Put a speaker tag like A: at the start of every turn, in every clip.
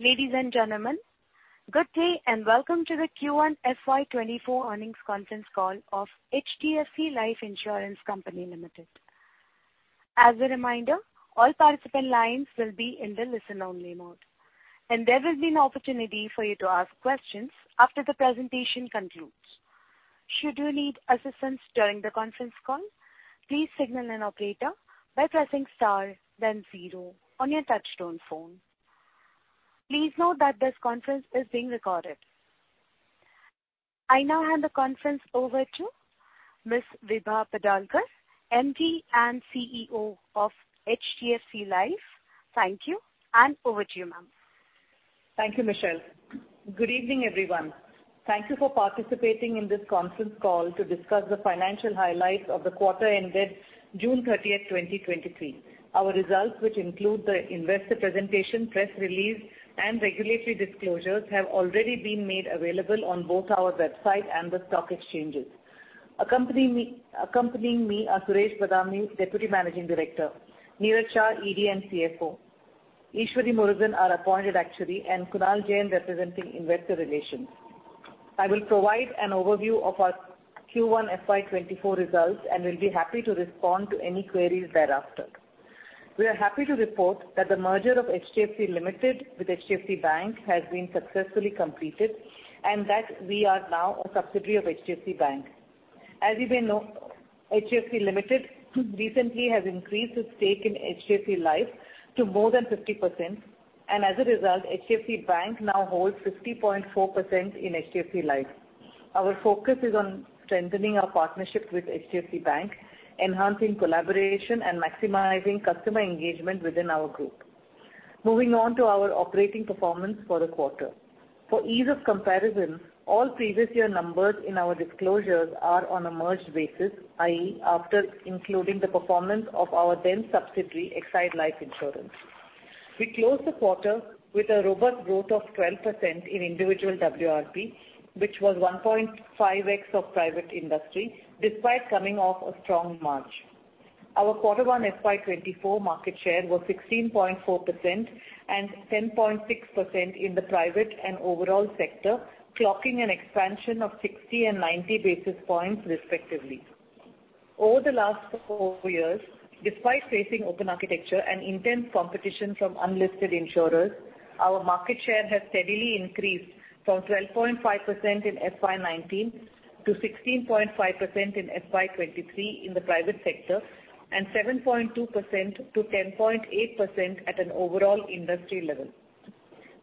A: Ladies and gentlemen, good day, and welcome to the Q1 FY 2024 Earnings Conference Call of HDFC Life Insurance Company Limited. As a reminder, all participant lines will be in the listen-only mode, and there will be an opportunity for you to ask questions after the presentation concludes. Should you need assistance during the conference call, please signal an operator by pressing star 0 on your touchtone phone. Please note that this conference is being recorded. I now hand the conference over to Ms. Vibha Padalkar, MD and CEO of HDFC Life. Thank you, and over to you, ma'am.
B: Thank you, Michelle. Good evening, everyone. Thank you for participating in this conference call to discuss the financial highlights of the quarter ended June 30th, 2023. Our results, which include the investor presentation, press release, and regulatory disclosures, have already been made available on both our website and the stock exchanges. Accompanying me are Suresh Badami, Deputy Managing Director, Niraj Shah, ED and CFO, Eshwari Murugan, our Appointed Actuary, and Kunal Jain, representing Investor Relations. I will provide an overview of our Q1 FY 2024 results, will be happy to respond to any queries thereafter. We are happy to report that the merger of HDFC Limited with HDFC Bank has been successfully completed, that we are now a subsidiary of HDFC Bank. As you may know, HDFC Limited recently has increased its stake in HDFC Life to more than 50%, as a result, HDFC Bank now holds 50.4% in HDFC Life. Our focus is on strengthening our partnership with HDFC Bank, enhancing collaboration and maximizing customer engagement within our group. Moving on to our operating performance for the quarter. For ease of comparison, all previous year numbers in our disclosures are on a merged basis, i.e., after including the performance of our then subsidiary, Exide Life Insurance. We closed the quarter with a robust growth of 12% in individual WRP, which was 1.5x of private industry, despite coming off a strong March. Our quarter one FY 2024 market share was 16.4% and 10.6% in the private and overall sector, clocking an expansion of 60 and 90 basis points, respectively. Over the last four years, despite facing open architecture and intense competition from unlisted insurers, our market share has steadily increased from 12.5% in FY 2019 to 16.5% in FY 2023 in the private sector, and 7.2% to 10.8% at an overall industry level.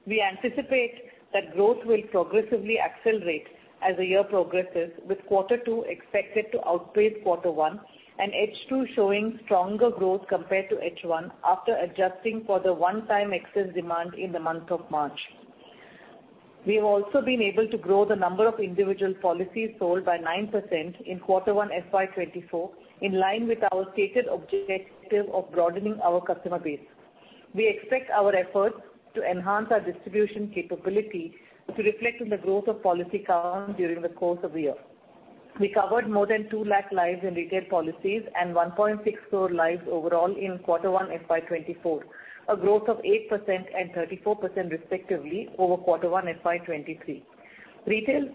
B: We anticipate that growth will progressively accelerate as the year progresses, with quarter two expected to outpace quarter one, and H2 showing stronger growth compared to H1 after adjusting for the one-time excess demand in the month of March. We have also been able to grow the number of individual policies sold by 9% in Q1 FY 2024, in line with our stated objective of broadening our customer base. We expect our efforts to enhance our distribution capability to reflect in the growth of policy count during the course of the year. We covered more than 2 lakh lives in retail policies and 1.6 crore lives overall in Q1 FY 2024, a growth of 8% and 34%, respectively, over Q1 FY 2023. Retail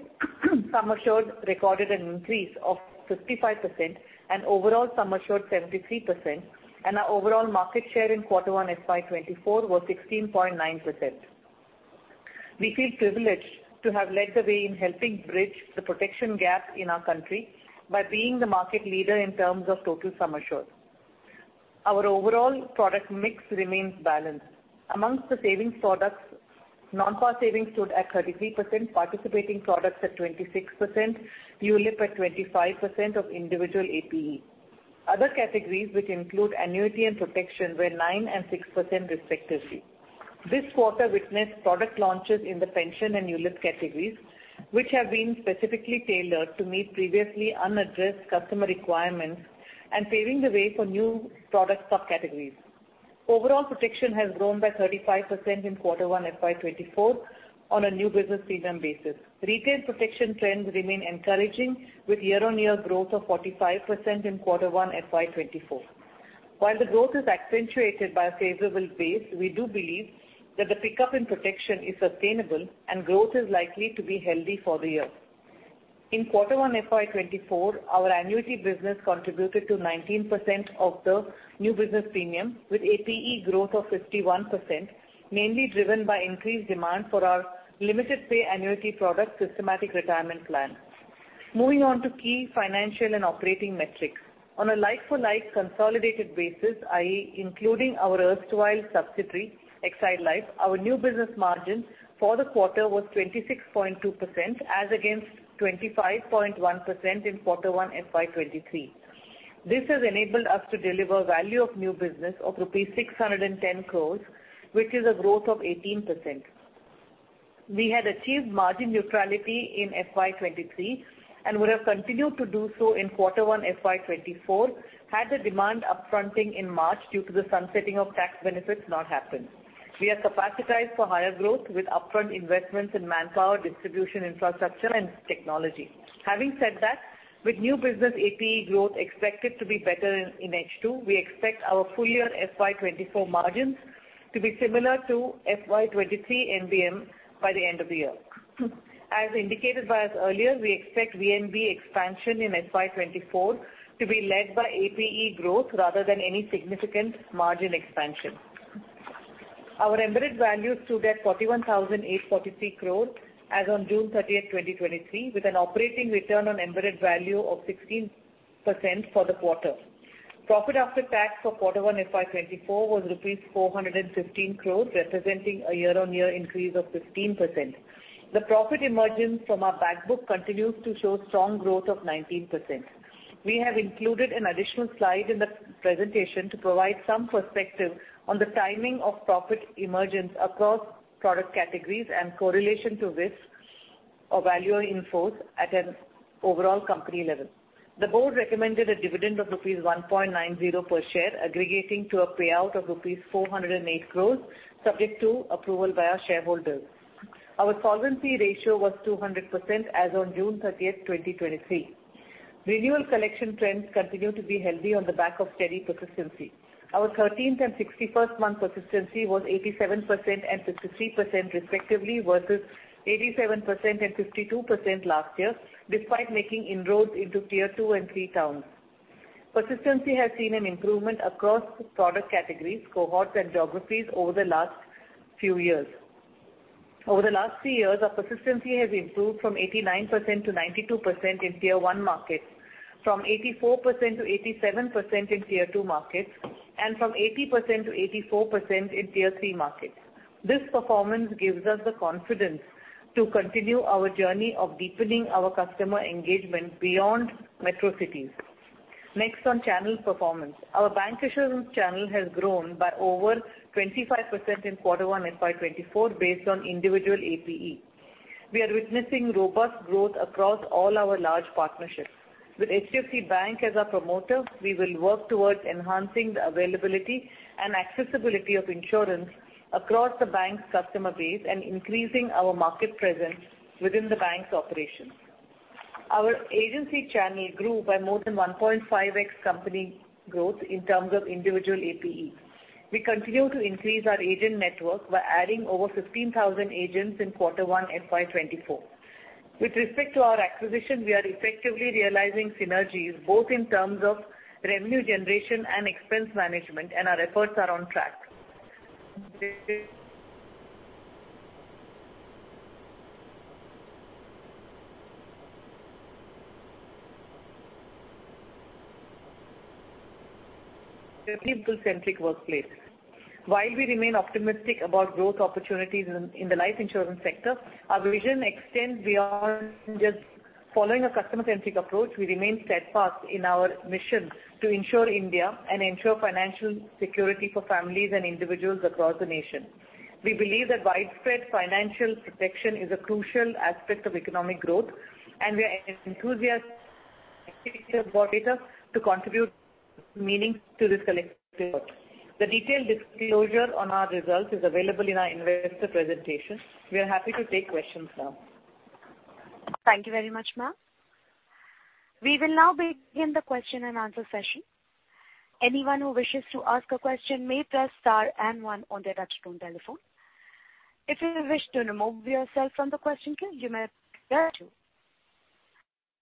B: sum assured recorded an increase of 55% and overall sum assured, 73%, and our overall market share in Q1 FY 2024, was 16.9%. We feel privileged to have led the way in helping bridge the protection gap in our country by being the market leader in terms of total sum assured. Our overall product mix remains balanced. Amongst the savings products, non-par savings stood at 33%, participating products at 26%, ULIP at 25% of individual APE. Other categories, which include annuity and protection, were 9% and 6%, respectively. This quarter witnessed product launches in the pension and ULIP categories, which have been specifically tailored to meet previously unaddressed customer requirements and paving the way for new product subcategories. Overall protection has grown by 35% in quarter one, FY 2024, on a new business premium basis. Retail protection trends remain encouraging, with year-on-year growth of 45% in quarter one, FY 2024. While the growth is accentuated by a favorable base, we do believe that the pickup in protection is sustainable and growth is likely to be healthy for the year. In quarter one, FY 2024, our annuity business contributed to 19% of the new business premium, with APE growth of 51%, mainly driven by increased demand for our limited pay annuity product, Systematic Retirement Plan. Moving on to key financial and operating metrics. On a like-for-like consolidated basis, i.e., including our erstwhile subsidiary, Exide Life, our new business margin for the quarter was 26.2%, as against 25.1% in quarter one, FY 2023. This has enabled us to deliver value of new business of rupees 610 crore, which is a growth of 18%. We had achieved margin neutrality in FY 2023, would have continued to do so in quarter one, FY 2024, had the demand upfronting in March due to the sunsetting of tax benefits not happened. We are capacitized for higher growth with upfront investments in manpower, distribution, infrastructure, and technology. With new business APE growth expected to be better in H2, we expect our full year FY 2024 margins to be similar to FY 2023 NBM by the end of the year. As indicated by us earlier, we expect VNB expansion in FY 2024 to be led by APE growth rather than any significant margin expansion. Our embedded value stood at 41,843 crore as on June 30th, 2023, with an operating return on embedded value of 16% for the quarter. Profit after tax for Q1 FY 2024 was rupees 415 crore, representing a year-on-year increase of 15%. The profit emergence from our back book continues to show strong growth of 19%. We have included an additional slide in the presentation to provide some perspective on the timing of profit emergence across product categories and correlation to risk or value in force at an overall company level. The board recommended a dividend of rupees 1.90 per share, aggregating to a payout of rupees 408 crore, subject to approval by our shareholders. Our solvency ratio was 200% as on June 30th, 2023. Renewal collection trends continue to be healthy on the back of steady persistency. Our 13th and 61st month persistency was 87% and 53%, respectively, versus 87% and 52% last year, despite making inroads into Tier 2 and Tier 3 towns. Persistency has seen an improvement across product categories, cohorts, and geographies over the last few years. Over the last three years, our persistency has improved from 89% to 92% in Tier 1 markets, from 84% to 87% in Tier 2 markets, and from 80% to 84% in Tier 3 markets. This performance gives us the confidence to continue our journey of deepening our customer engagement beyond metro cities. Next, on channel performance. Our bank insurance channel has grown by over 25% in quarter one FY 2024, based on individual APE. We are witnessing robust growth across all our large partnerships. With HDFC Bank as our promoter, we will work towards enhancing the availability and accessibility of insurance across the bank's customer base and increasing our market presence within the bank's operations. Our agency channel grew by more than 1.5x company growth in terms of individual APE. We continue to increase our agent network by adding over 15,000 agents in Q1 FY 2024. With respect to our acquisition, we are effectively realizing synergies, both in terms of revenue generation and expense management. Our efforts are on track. People-centric workplace. While we remain optimistic about growth opportunities in the life insurance sector, our vision extends beyond just following a customer-centric approach. We remain steadfast in our mission to insure India and ensure financial security for families and individuals across the nation. We believe that widespread financial protection is a crucial aspect of economic growth. We are enthusiastic about it to contribute meaning to this collective work. The detailed disclosure on our results is available in our investor presentation. We are happy to take questions now.
A: Thank you very much, ma'am. We will now begin the question and answer session. Anyone who wishes to ask a question may press star and one on their touchtone telephone. If you wish to remove yourself from the question queue, you may press two.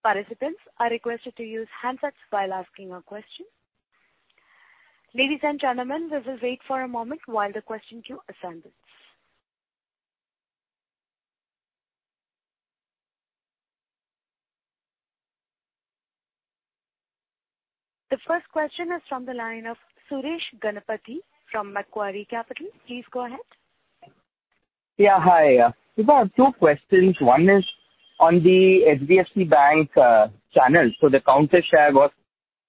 A: Participants are requested to use handsets while asking a question. Ladies and gentlemen, let us wait for a moment while the question queue assembles. The first question is from the line of Suresh Ganapathy from Macquarie Capital. Please go ahead.
C: Yeah, hi. Vibha, two questions. One is on the HDFC Bank channel, the counter share was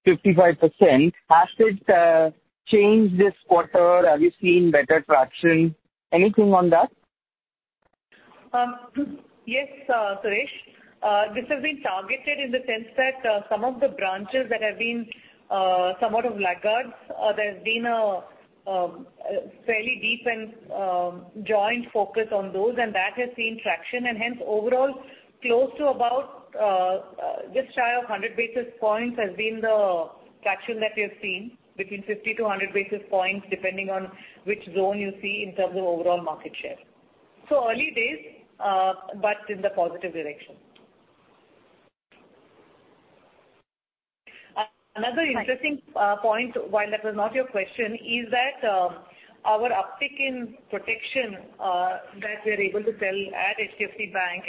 C: 55%. Has it changed this quarter? Have you seen better traction? Anything on that?
B: Yes, Suresh. This has been targeted in the sense that some of the branches that have been somewhat of laggards, there's been a fairly deep and joint focus on those, and that has seen traction. Overall, close to about just shy of 100 basis points has been the traction that we have seen, between 50 to 100 basis points, depending on which zone you see in terms of overall market share. Early days, but in the positive direction. Another interesting point, while that was not your question, is that our uptick in protection that we are able to sell at HDFC Bank,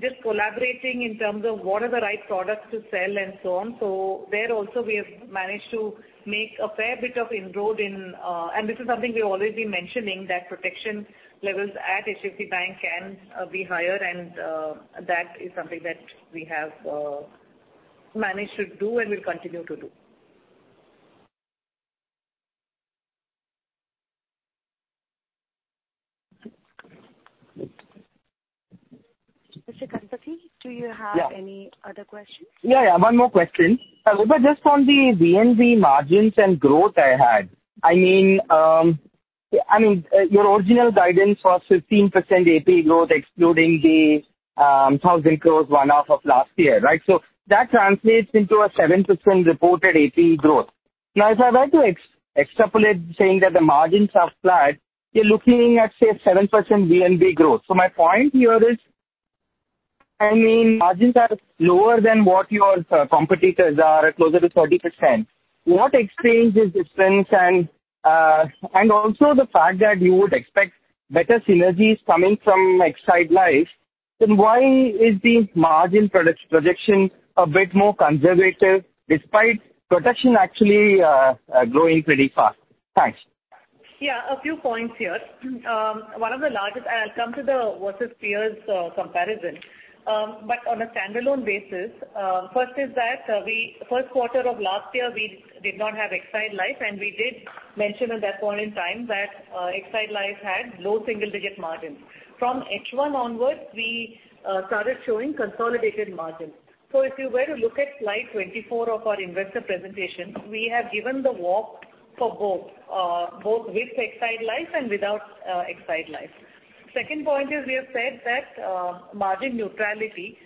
B: just collaborating in terms of what are the right products to sell and so on. There also, we have managed to make a fair bit of inroad in. This is something we've always been mentioning, that protection levels at HDFC Bank can be higher, and that is something that we have managed to do and will continue to do.
A: Mr. Ganapathy, do you have any other questions?
C: Yeah, yeah, one more question. Vibha, just on the VNB margins and growth I had. I mean, your original guidance was 15% APE growth, excluding the 1,000 crore one-off of last year, right? That translates into a 7% reported APE growth. If I were to extrapolate saying that the margins are flat, you're looking at, say, a 7% VNB growth. My point here is, I mean, margins are lower than what your competitors are, closer to 30%. What explains this difference? Also the fact that you would expect better synergies coming from Exide Life, then why is the margin product projection a bit more conservative despite protection actually growing pretty fast? Thanks.
B: Yeah, a few points here. One of the largest, I'll come to the versus peers, comparison. On a standalone basis, first is that first quarter of last year, we did not have Exide Life, and we did mention at that point in time that Exide Life had low single-digit margins. From H1 onwards, we started showing consolidated margins. If you were to look at slide 24 of our investor presentation, we have given the walk for both with Exide Life and without Exide Life. Second point is we have said that margin neutrality.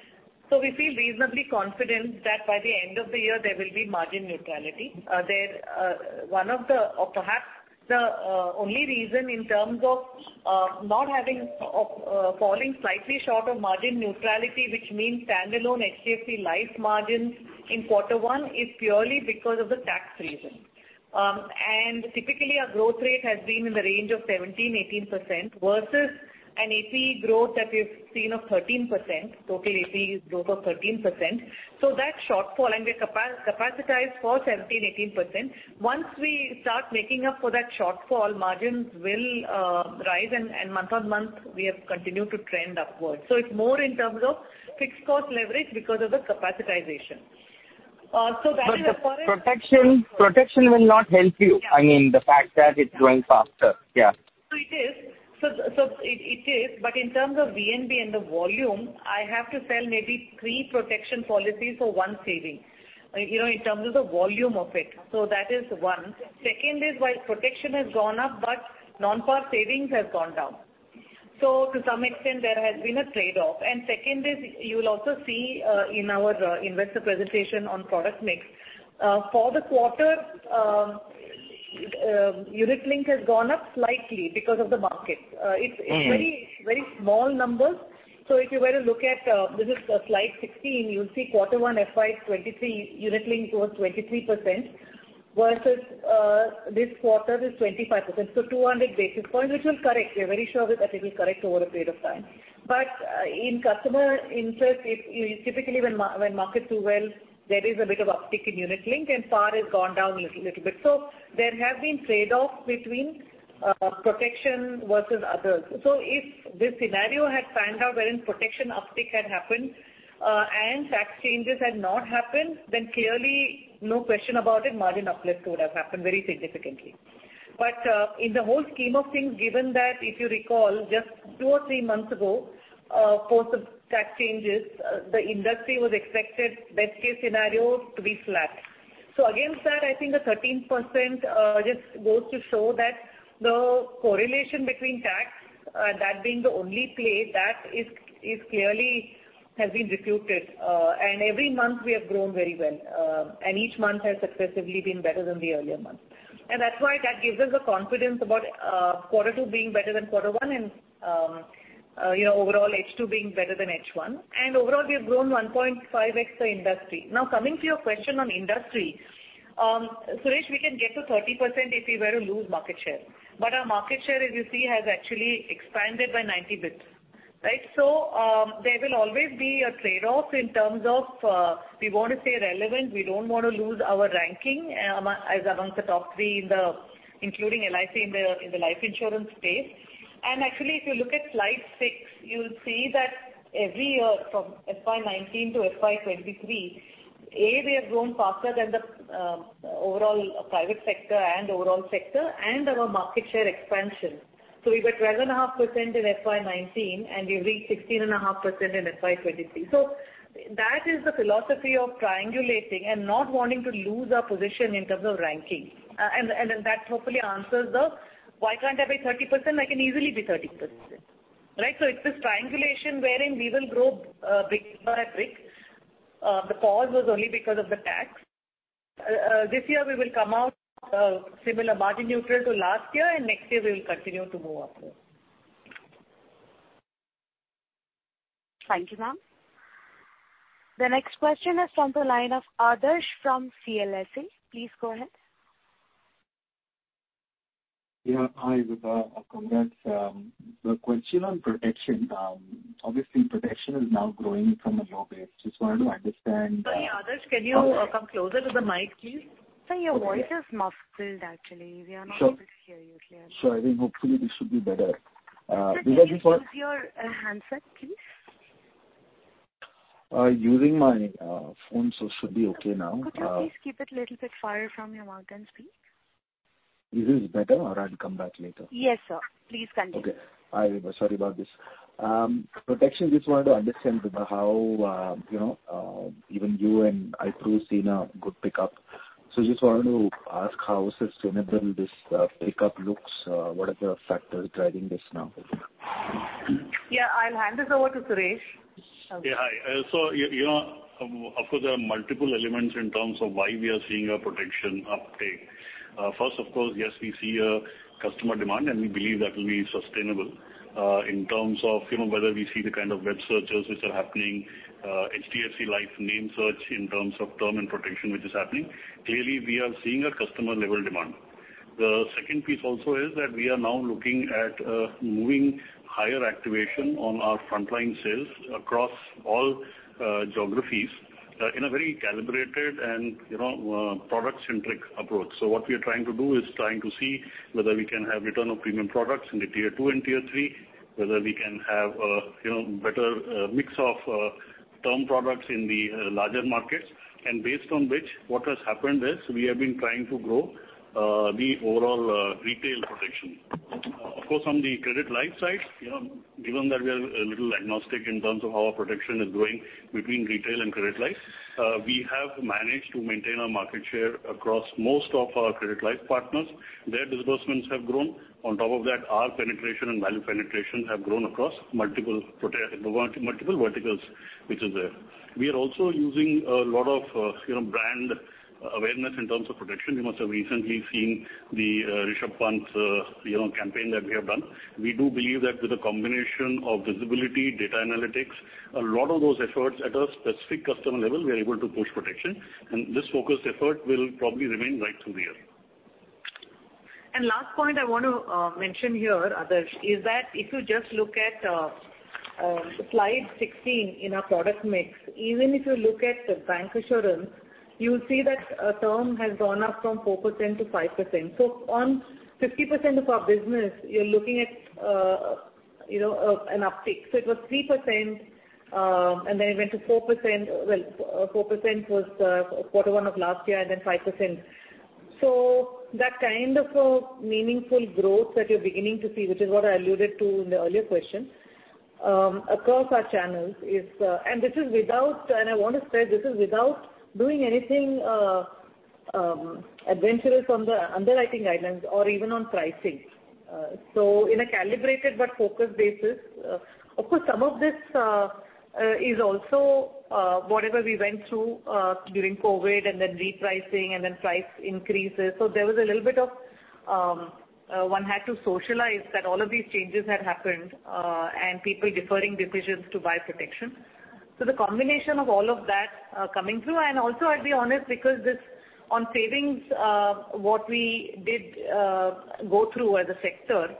B: We feel reasonably confident that by the end of the year there will be margin neutrality. There, one of the or perhaps the only reason in terms of not having falling slightly short of margin neutrality, which means standalone HDFC Life margins in quarter one, is purely because of the tax reason. Typically, our growth rate has been in the range of 17%-18% versus an APE growth that we've seen of 13%, total APE growth of 13%. That shortfall and we're capacitized for 17%-18%. Once we start making up for that shortfall, margins will rise and month-on-month, we have continued to trend upwards. It's more in terms of fixed cost leverage because of the capacitization.
C: The protection will not help you. I mean, the fact that it's growing faster. Yeah.
B: It is. It is, but in terms of VNB and the volume, I have to sell maybe three protection policies for one saving, you know, in terms of the volume of it. That is one. Second is, while protection has gone up, but non-par savings has gone down. To some extent, there has been a trade-off. Second is you will also see in our investor presentation on product mix. For the quarter, unit link has gone up slightly because of the market. Very, very small numbers. If you were to look at, this is slide 16, you'll see quarter one FY 2023, unit link towards 23%, versus this quarter is 25%. 200 basis points, which will correct. We're very sure that it will correct over a period of time. In customer interest, it, typically, when markets do well, there is a bit of uptick in Unit Link, and par has gone down a little bit. There have been trade-offs between protection versus others. If this scenario had panned out wherein protection uptick had happened, and tax changes had not happened, then clearly no question about it, margin uplift would have happened very significantly. In the whole scheme of things, given that, if you recall, just two or three months ago, post the tax changes, the industry was expected best case scenario to be flat. Against that, I think the 13%, just goes to show that the correlation between tax, that being the only play that is clearly has been refuted. Every month we have grown very well, each month has successively been better than the earlier month. That's why that gives us the confidence about quarter two being better than quarter one, you know, overall H2 being better than H1. Overall, we have grown 1.5x the industry. Coming to your question on industry, Suresh, we can get to 30% if we were to lose market share, but our market share, as you see, has actually expanded by 90 bps, right? There will always be a trade-off in terms of we want to stay relevant. We don't want to lose our ranking as amongst the top three in the, including LIC in the life insurance space. Actually, if you look at slide six, you'll see that every year from FY 2019 to FY 2023, we have grown faster than the overall private sector and overall sector and our market share expansion. We were 12.5% in FY 2019, and we reached 16.5% in FY 2023. That is the philosophy of triangulating and not wanting to lose our position in terms of ranking. And that hopefully answers the: Why can't it be 30%? It can easily be 30%, right? It's this triangulation wherein we will grow brick by brick. The pause was only because of the tax. This year we will come out similar margin neutral to last year, and next year we will continue to move upwards.
A: Thank you, ma'am. The next question is from the line of Adarsh from CLSA. Please go ahead.
D: Hi, Vibha. Congrats. The question on protection, obviously protection is now growing from a low base. Just wanted to understand.
B: Sorry, Adarsh, can you come closer to the mic, please?
A: Sir, your voice is muffled actually. We are not able to hear you clearly.
D: Sure. I think hopefully this should be better.
A: Sir, can you use your handset, please?
D: Using my phone, so should be okay now.
A: Could you please keep it a little bit far from your mouth and speak?
D: This is better, or I'll come back later.
A: Yes, sir. Please continue.
D: Okay. I sorry about this. Protection, just wanted to understand how, you know, even You and I-Pru, seen a good pickup. Just wanted to ask how sustainable this pickup looks, what are the factors driving this now?
B: Yeah, I'll hand this over to Suresh.
E: Yeah, hi. you know, of course, there are multiple elements in terms of why we are seeing a protection uptake. first, of course, yes, we see a customer demand, and we believe that will be sustainable. in terms of, you know, whether we see the kind of web searches which are happening, HDFC Life name search in terms of term and protection, which is happening. Clearly we are seeing a customer level demand. The second piece also is that we are now looking at moving higher activation on our frontline sales across all geographies, in a very calibrated and, you know, product-centric approach. What we are trying to do is trying to see whether we can have return of premium products in the Tier 2 and Tier 3, whether we can have, you know, better mix of term products in the larger markets, and based on which, what has happened is we have been trying to grow the overall retail protection. Of course, on the credit life side, you know, given that we are a little agnostic in terms of how our protection is growing between retail and credit life, we have managed to maintain our market share across most of our credit life partners. Their disbursements have grown. On top of that, our penetration and value penetration have grown across multiple verticals, which is there. We are also using a lot of, you know, brand awareness in terms of protection. You must have recently seen the Rishabh Pant, you know, campaign that we have done. We do believe that with a combination of visibility, data analytics, a lot of those efforts at a specific customer level, we are able to push protection, and this focused effort will probably remain right through the year.
B: Last point I want to mention here, Adarsh, is that if you just look at slide 16 in our product mix, even if you look at the bancassurance, you will see that term has gone up from 4%-5%. On 50% of our business, you're looking at, you know, an uptake. It was 3%, and then it went to 4%. Well, 4% was quarter 1 of last year, and then 5%. That kind of a meaningful growth that you're beginning to see, which is what I alluded to in the earlier question, across our channels is. And this is without, and I want to stress, this is without doing anything adventurous on the underwriting guidelines or even on pricing. In a calibrated but focused basis, of course, some of this, is also, whatever we went through, during COVID and then repricing and then price increases. There was a little bit of, one had to socialize that all of these changes had happened, and people deferring decisions to buy protection. The combination of all of that, coming through, and also, I'll be honest, because this on savings, what we did, go through as a sector,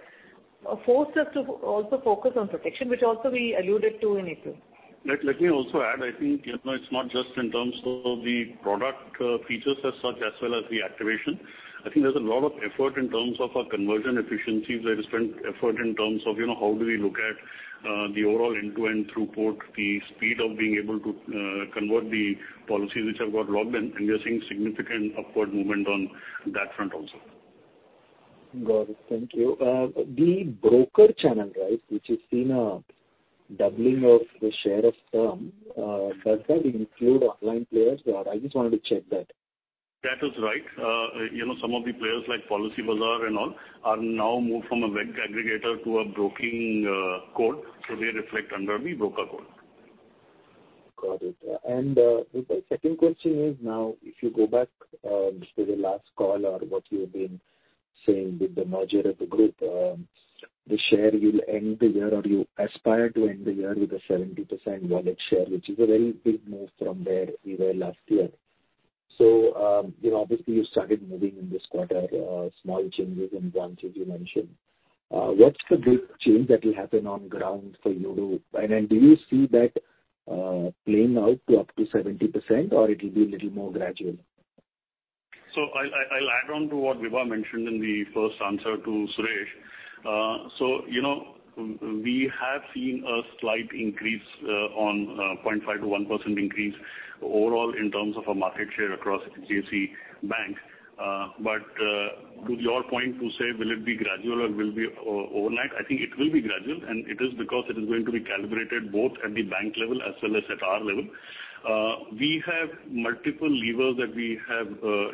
B: forced us to also focus on protection, which also we alluded to in April.
E: Let me also add, I think, you know, it's not just in terms of the product, features as such, as well as the activation. I think there's a lot of effort in terms of our conversion efficiency, there is spent effort in terms of, you know, how do we look at the overall end-to-end throughput, the speed of being able to convert the policies which have got logged in. We are seeing significant upward movement on that front also.
D: Got it. Thank you. The broker channel, right, which has seen a doubling of the share of term, does that include online players? I just wanted to check that.
E: That is right. you know, some of the players like Policybazaar and all, are now moved from a web aggregator to a broking code, so they reflect under the broker code.
D: Got it. The second question is, now, if you go back to the last call or what you have been saying with the merger of the group, the share will end the year, or you aspire to end the year with a 70% wallet share, which is a very big move from where we were last year. You know, obviously, you started moving in this quarter, small changes in branches you mentioned. What's the big change that will happen on ground for you to. Then do you see that playing out to up to 70%, or it will be a little more gradual?
E: I'll add on to what Vibha mentioned in the first answer to Suresh. you know, we have seen a slight increase on 0.5% to 1% increase overall in terms of our market share across HDFC Bank. To your point, to say will it be gradual or will be overnight? I think it will be gradual, and it is because it is going to be calibrated both at the bank level as well as at our level. We have multiple levers that we have,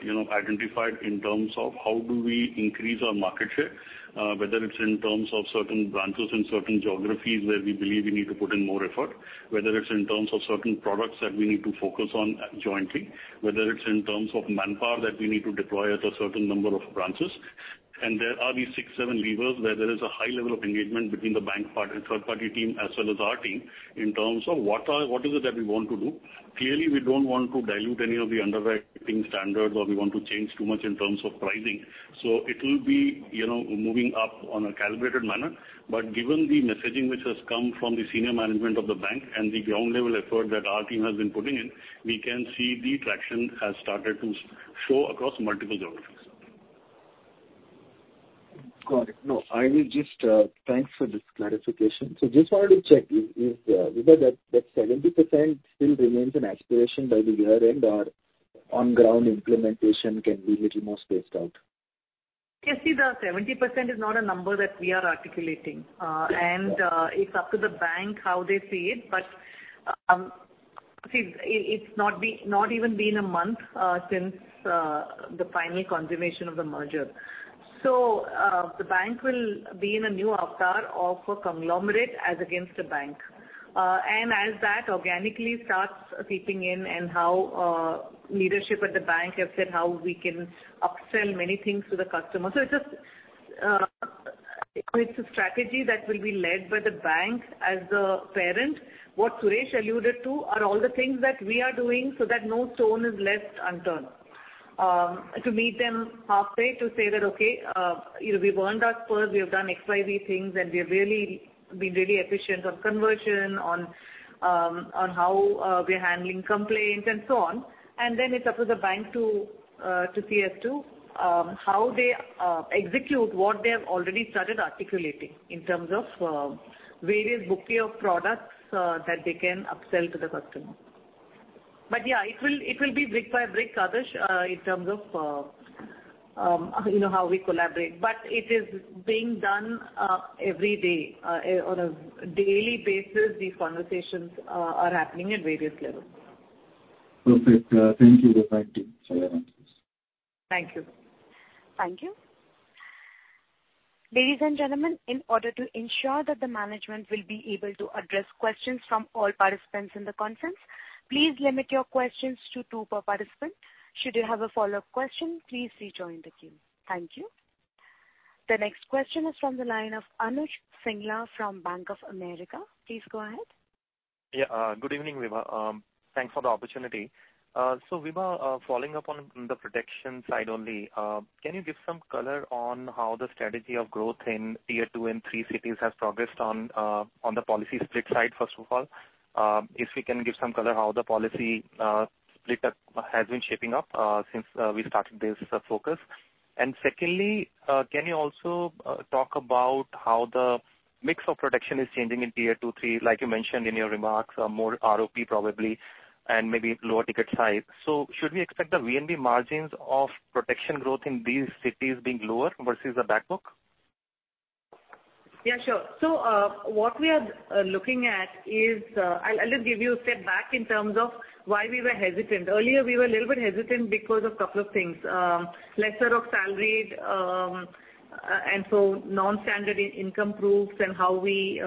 E: you know, identified in terms of how do we increase our market share, whether it's in terms of certain branches in certain geographies where we believe we need to put in more effort, whether it's in terms of certain products that we need to focus on jointly, whether it's in terms of manpower that we need to deploy at a certain number of branches. There are these six, seven levers where there is a high level of engagement between the bank part and third-party team, as well as our team, in terms of what is it that we want to do? Clearly, we don't want to dilute any of the underwriting standards, or we want to change too much in terms of pricing. It will be, you know, moving up on a calibrated manner. Given the messaging which has come from the senior management of the bank and the ground level effort that our team has been putting in, we can see the traction has started to show across multiple geographies.
D: Got it. I will just thanks for this clarification. Just wanted to check, is because that 70% still remains an aspiration by the year end or on-ground implementation can be a little more spaced out?
B: You see, the 70% is not a number that we are articulating, it's up to the bank how they see it. See, it's not even been a month since the final confirmation of the merger. The bank will be in a new avatar of a conglomerate as against a bank. As that organically starts seeping in and how leadership at the bank have said how we can upsell many things to the customer. It's just, it's a strategy that will be led by the bank as the parent. What Suresh alluded to are all the things that we are doing so that no stone is left unturned. To meet them halfway, to say that, okay, we've earned our spurs, we have done XYZ things, and we have really been efficient on conversion, on how we are handling complaints and so on. Then it's up to the bank to see as to how they execute what they have already started articulating in terms of various bouquet of products that they can upsell to the customer. Yeah, it will be brick by brick, Adarsh, in terms of how we collaborate. It is being done every day, on a daily basis, these conversations are happening at various levels.
D: Perfect. Thank you, Vibha, for your answers.
B: Thank you.
A: Thank you. Ladies and gentlemen, in order to ensure that the management will be able to address questions from all participants in the conference, please limit your questions to two per participant. Should you have a follow-up question, please rejoin the queue. Thank you. The next question is from the line of Anuj Singla from Bank of America. Please go ahead.
F: Yeah, good evening, Vibha. Thanks for the opportunity. Vibha, following up on the protection side only, can you give some color on how the strategy of growth in Tier 2 and three cities has progressed on the policy split side, first of all? If you can give some color how the policy split up has been shaping up since we started this focus. Secondly, can you also talk about how the mix of protection is changing in Tier 2, three, like you mentioned in your remarks, are more ROP probably, and maybe lower ticket size. Should we expect the VNB margins of protection growth in these cities being lower versus the back-book?
B: Yeah, sure. What we are looking at is, I'll just give you a step back in terms of why we were hesitant. Earlier, we were a little bit hesitant because of couple of things. Lesser of salaried, non-standard in-income proofs and how we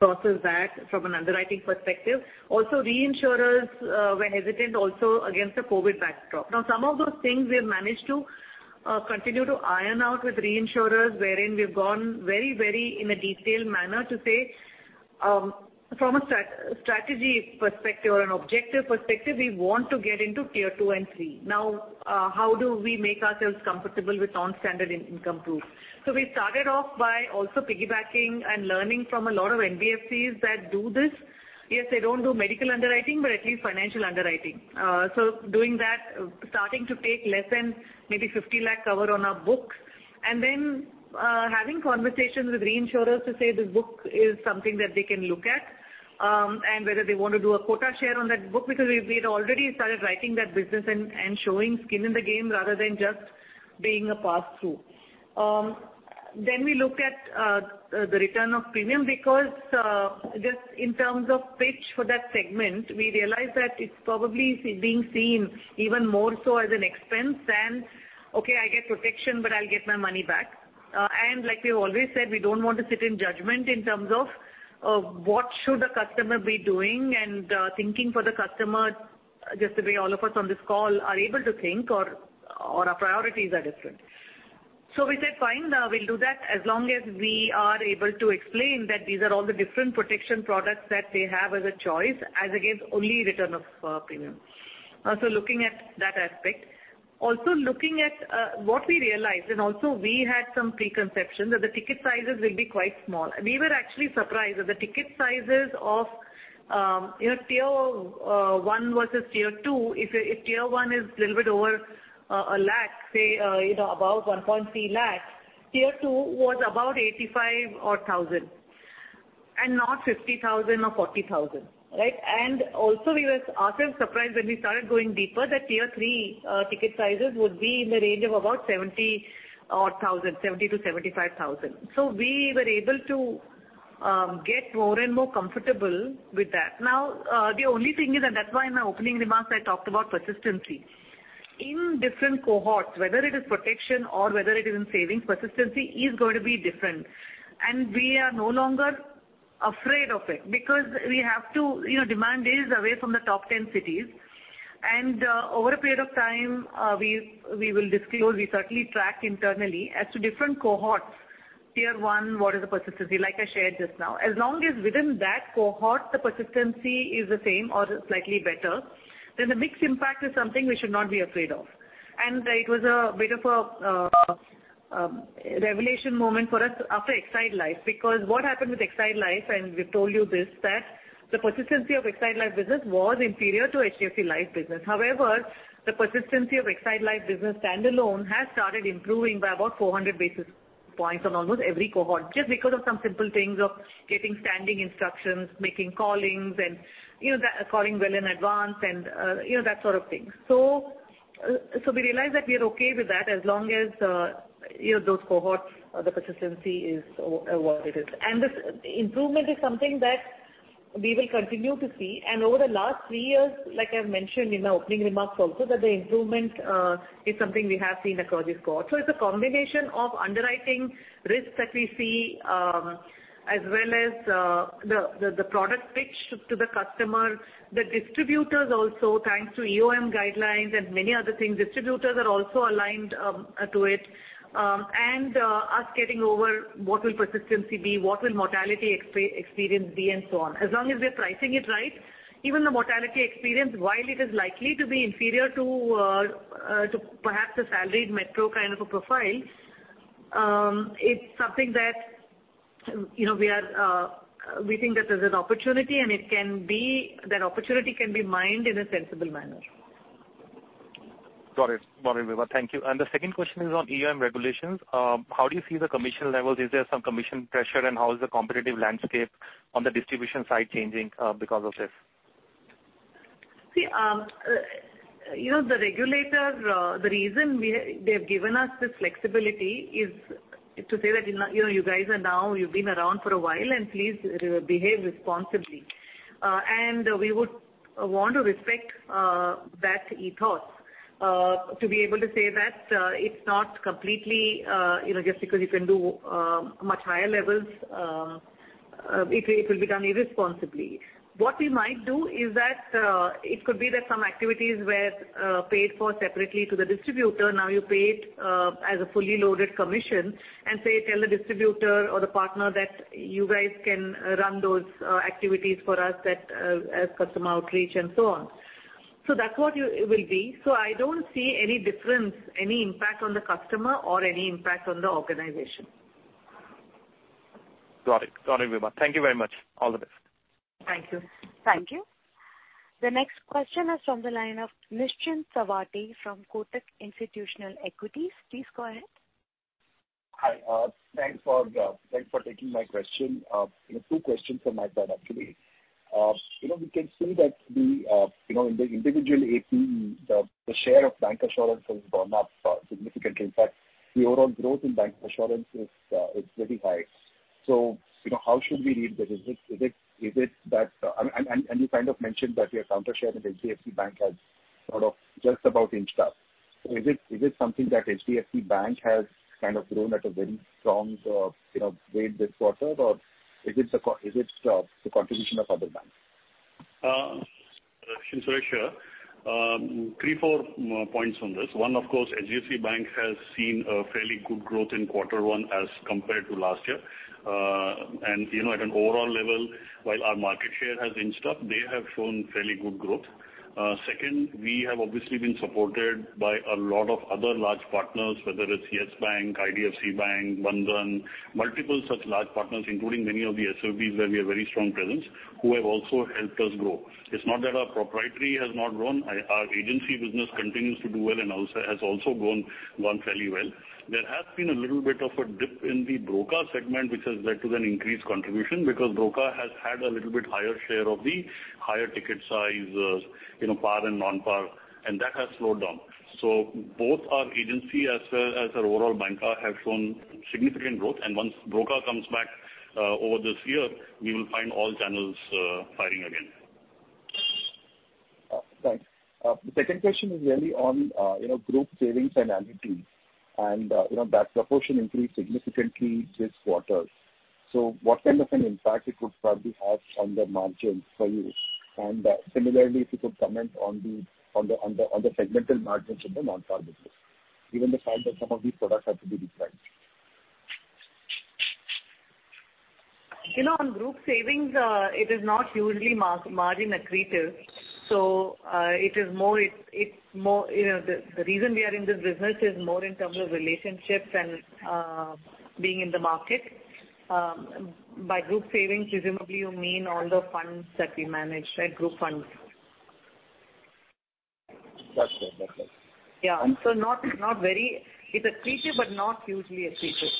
B: process that from an underwriting perspective. Also, reinsurers were hesitant also against the COVID backdrop. Some of those things we have managed to continue to iron out with reinsurers, wherein we've gone very in a detailed manner to say, from a strategy perspective or an objective perspective, we want to get into Tier 2 and Tier 3. How do we make ourselves comfortable with non-standard in-income proof? We started off by also piggybacking and learning from a lot of NBFCs that do this. They don't do medical underwriting. At least financial underwriting. Doing that, starting to take less than maybe 50 lakh cover on our books. Having conversations with reinsurers to say this book is something that they can look at. Whether they want to do a quota share on that book. We've, we'd already started writing that business and showing skin in the game rather than just being a pass-through. We looked at the return of premium, because just in terms of pitch for that segment, we realized that it's probably being seen even more so as an expense than, "Okay, I get protection, but I'll get my money back." Like we've always said, we don't want to sit in judgment in terms of what should the customer be doing and thinking for the customer, just the way all of us on this call are able to think or our priorities are different. We said: Fine, we'll do that as long as we are able to explain that these are all the different protection products that they have as a choice, as against only return of premium. Looking at that aspect. Looking at what we realized, and also we had some preconception, that the ticket sizes will be quite small. We were actually surprised that the ticket sizes of Tier 1 versus Tier 2, if Tier 1 is a little bit over 1 lakh, about 1.3 lakh, Tier 2 was about 85 or 1,000, and not 50,000 or 40,000, right? We were ourselves surprised when we started going deeper, that Tier 3 ticket sizes would be in the range of about 70-odd thousand, 70,000-75,000. We were able to get more and more comfortable with that. The only thing is, that's why in my opening remarks, I talked about persistency. In different cohorts, whether it is protection or whether it is in savings, persistency is going to be different, and we are no longer afraid of it. You know, demand is away from the top 10 cities. Over a period of time, we will disclose, we certainly track internally as to different cohorts. Tier 1, what is the persistency? Like I shared just now. As long as within that cohort, the persistency is the same or slightly better, then the mix impact is something we should not be afraid of. It was a bit of a revelation moment for us after Exide Life, because what happened with Exide Life, and we told you this, that the persistency of Exide Life business was inferior to HDFC Life business. The persistency of Exide Life business standalone has started improving by about 400 basis points on almost every cohort, just because of some simple things of getting standing instructions, making callings, and, you know, that calling well in advance and, you know, that sort of thing. We realize that we are okay with that as long as, you know, those cohorts, the persistency is what it is. And this improvement is something that we will continue to see. And over the last three years, like I mentioned in my opening remarks also, that the improvement is something we have seen across this quarter. So it's a combination of underwriting risks that we see, as well as the product pitch to the customer. The distributors also, thanks to EOM guidelines and many other things, distributors are also aligned to it, and us getting over what will persistency be, what will mortality experience be, and so on. As long as we're pricing it right, even the mortality experience, while it is likely to be inferior to perhaps a salaried metro kind of a profile, it's something that, you know, we are, we think that there's an opportunity, and that opportunity can be mined in a sensible manner.
F: Got it. Got it, Vibha. Thank you. The second question is on EOM regulations. How do you see the commission levels? Is there some commission pressure, and how is the competitive landscape on the distribution side changing because of this?
B: You know, the regulator, the reason they've given us this flexibility is to say that, you know, you guys are now, you've been around for a while, and please behave responsibly. We would want to respect that ethos to be able to say that it's not completely, you know, just because you can do much higher levels, it will be done irresponsibly. What we might do is that it could be that some activities were paid for separately to the distributor, now you pay it as a fully loaded commission, and say, tell the distributor or the partner that you guys can run those activities for us that as customer outreach and so on. That's what it will be.I don't see any difference, any impact on the customer or any impact on the organization.
F: Got it. Got it, Vibha. Thank you very much. All the best.
B: Thank you.
A: Thank you. The next question is from the line of Nischint Chawathe from Kotak Institutional Equities. Please go ahead.
G: Hi, thanks for thanks for taking my question. Two questions from my side, actually. you know, we can see that the you know, in the individual APE, the the share of bancassurance has gone up significantly. In fact, the overall growth in bancassurance is very high. you know, how should we read this? You kind of mentioned that your counter share in HDFC Bank has sort of just about inched up. Is it something that HDFC Bank has kind of grown at a very strong you know, rate this quarter, or is it the contribution of other banks?
E: Nischint, Suresh here, Three to four points on this. One, of course, HDFC Bank has seen a fairly good growth in quarter one as compared to last year. You know, at an overall level, while our market share has inched up, they have shown fairly good growth. Second, we have obviously been supported by a lot of other large partners, whether it's Yes Bank, IDFC Bank, One Bank, multiple such large partners, including many of the SOPs, where we have very strong presence, who have also helped us grow. It's not that our proprietary has not grown, our agency business continues to do well and has also grown, gone fairly well. There has been a little bit of a dip in the broker segment, which has led to an increased contribution because broker has had a little bit higher share of the higher ticket sizes, you know, par and non-par, and that has slowed down. Both our agency as well as our overall banker have shown significant growth, and once broker comes back, over this year, we will find all channels, firing again.
G: Thanks. The second question is really on, you know, group savings and annuity, and, you know, that proportion increased significantly this quarter. What kind of an impact it would probably have on the margins for you? Similarly, if you could comment on the segmental margins in the non-par business, given the fact that some of these products have to be repriced.
B: You know, on group savings, it is not usually margin accretive, it is more, it's more. You know, the reason we are in this business is more in terms of relationships and being in the market. By group savings, presumably you mean all the funds that we manage, right? Group funds.
G: That's it, that's it.
B: Yeah. Not very, it's accretive, but not hugely accretive.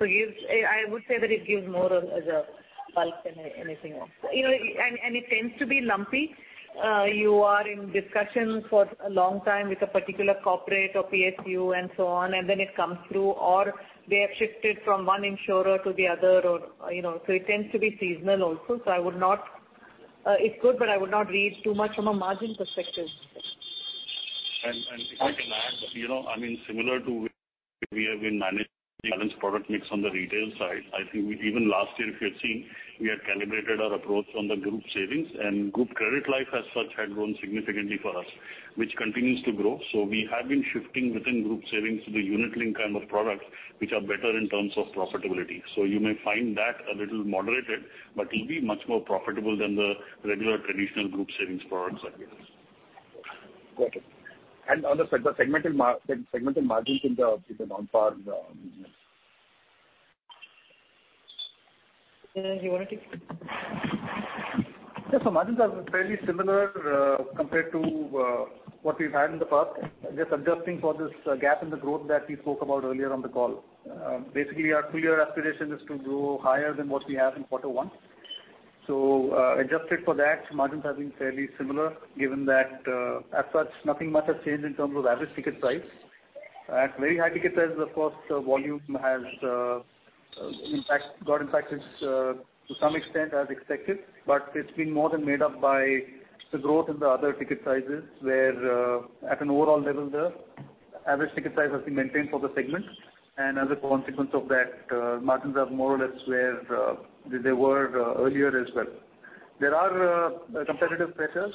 B: I would say that it gives more of as a bulk than anything else. You know, and it tends to be lumpy. You are in discussions for a long time with a particular corporate or PSU and so on, and then it comes through, or they have shifted from one insurer to the other, or, you know. It tends to be seasonal also. It could, but I would not read too much from a margin perspective.
E: If I can add, you know, I mean, similar to we have been managing balance product mix on the retail side, I think even last year, if you had seen, we had calibrated our approach on the group savings, and group credit life as such had grown significantly for us, which continues to grow. We have been shifting within group savings, the unit link kind of products, which are better in terms of profitability. You may find that a little moderated, but it'll be much more profitable than the regular traditional group savings products like this.
G: Got it. On the segmental margins in the non-par.
B: You want to take?
H: Yes, margins are fairly similar compared to what we've had in the past. Just adjusting for this gap in the growth that we spoke about earlier on the call. Basically, our clear aspiration is to grow higher than what we have in quarter one. Adjusted for that, margins have been fairly similar, given that as such, nothing much has changed in terms of average ticket price. At very high ticket prices, of course, the volume has got impacted to some extent as expected, but it's been more than made up by the growth in the other ticket sizes, where at an overall level, the average ticket size has been maintained for the segment. As a consequence of that, margins are more or less where they were earlier as well. There are competitive pressures,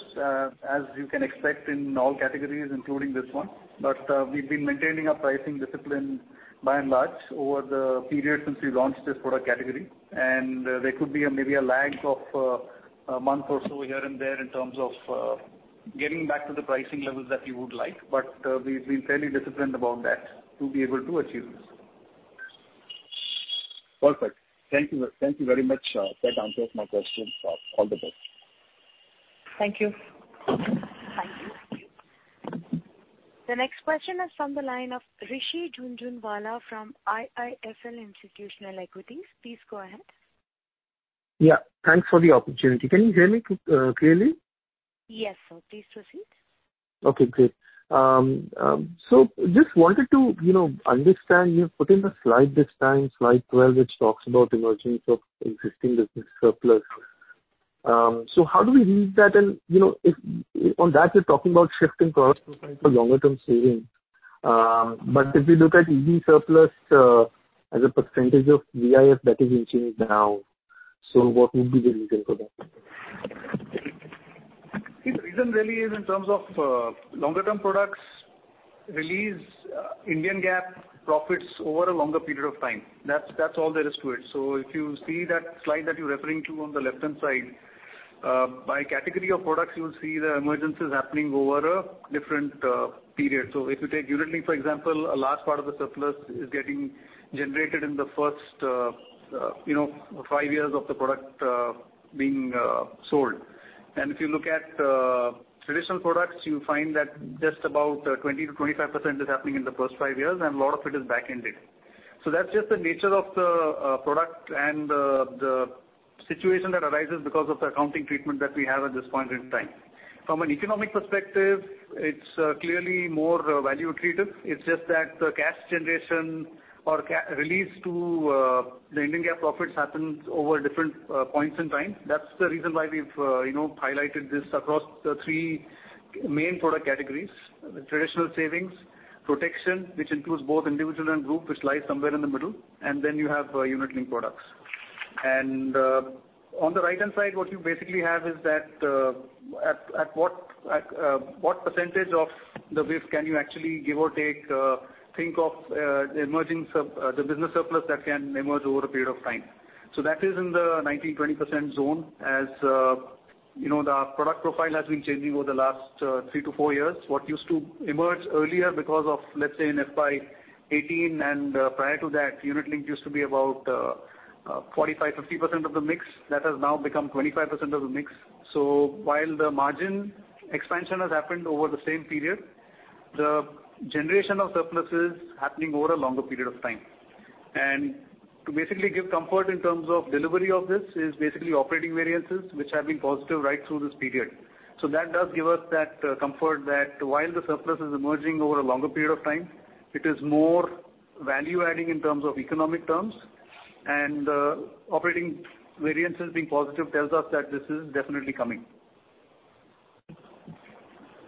H: as you can expect in all categories, including this one, but we've been maintaining a pricing discipline by and large over the period since we launched this product category. There could be maybe a lag of a month or so here and there in terms of getting back to the pricing levels that we would like, but we've been fairly disciplined about that to be able to achieve this.
G: Perfect. Thank you. Thank you very much. That answers my question. All the best.
B: Thank you.
A: Thank you. The next question is from the line of Rishi Jhunjhunwala from IIFL Institutional Equities. Please go ahead.
I: Yeah, thanks for the opportunity. Can you hear me clearly?
A: Yes, sir. Please proceed.
I: Okay, great. Just wanted to, you know, understand, you've put in the slide this time, slide 12, which talks about emergence of existing business surplus. How do we read that? You know, if on that, you're talking about shifting costs for longer-term savings. If you look at EV surplus as a percentage of VIF that is in change now, what would be the reason for that?
H: The reason really is in terms of longer-term products, release Indian GAAP profits over a longer period of time. That's all there is to it. If you see that slide that you're referring to on the left-hand side, by category of products, you will see the emergence is happening over a different period. If you take unit link, for example, a large part of the surplus is getting generated in the first, you know, five years of the product being sold. If you look at traditional products, you find that just about 20% -25% is happening in the first five years, and a lot of it is back-ended. That's just the nature of the product and the situation that arises because of the accounting treatment that we have at this point in time. From an economic perspective, it's clearly more value accretive. It's just that the cash generation or release to the Indian GAAP profits happens over different points in time. That's the reason why we've, you know, highlighted this across the 3 main product categories: traditional savings, protection, which includes both individual and group, which lies somewhere in the middle, and then you have unit link products. On the right-hand side, what you basically have is that at what percentage of the VIF can you actually give or take, think of the business surplus that can emerge over a period of time. That is in the 19%-20% zone. As, you know, the product profile has been changing over the last three to four years. What used to emerge earlier because of, let's say, in FY 2018 and prior to that, unit link used to be about 45%-50% of the mix, that has now become 25% of the mix. While the margin expansion has happened over the same period, the generation of surplus is happening over a longer period of time. To basically give comfort in terms of delivery of this is basically operating variances, which have been positive right through this period. That does give us that comfort that while the surplus is emerging over a longer period of time, it is more value-adding in terms of economic terms, and operating variances being positive tells us that this is definitely coming.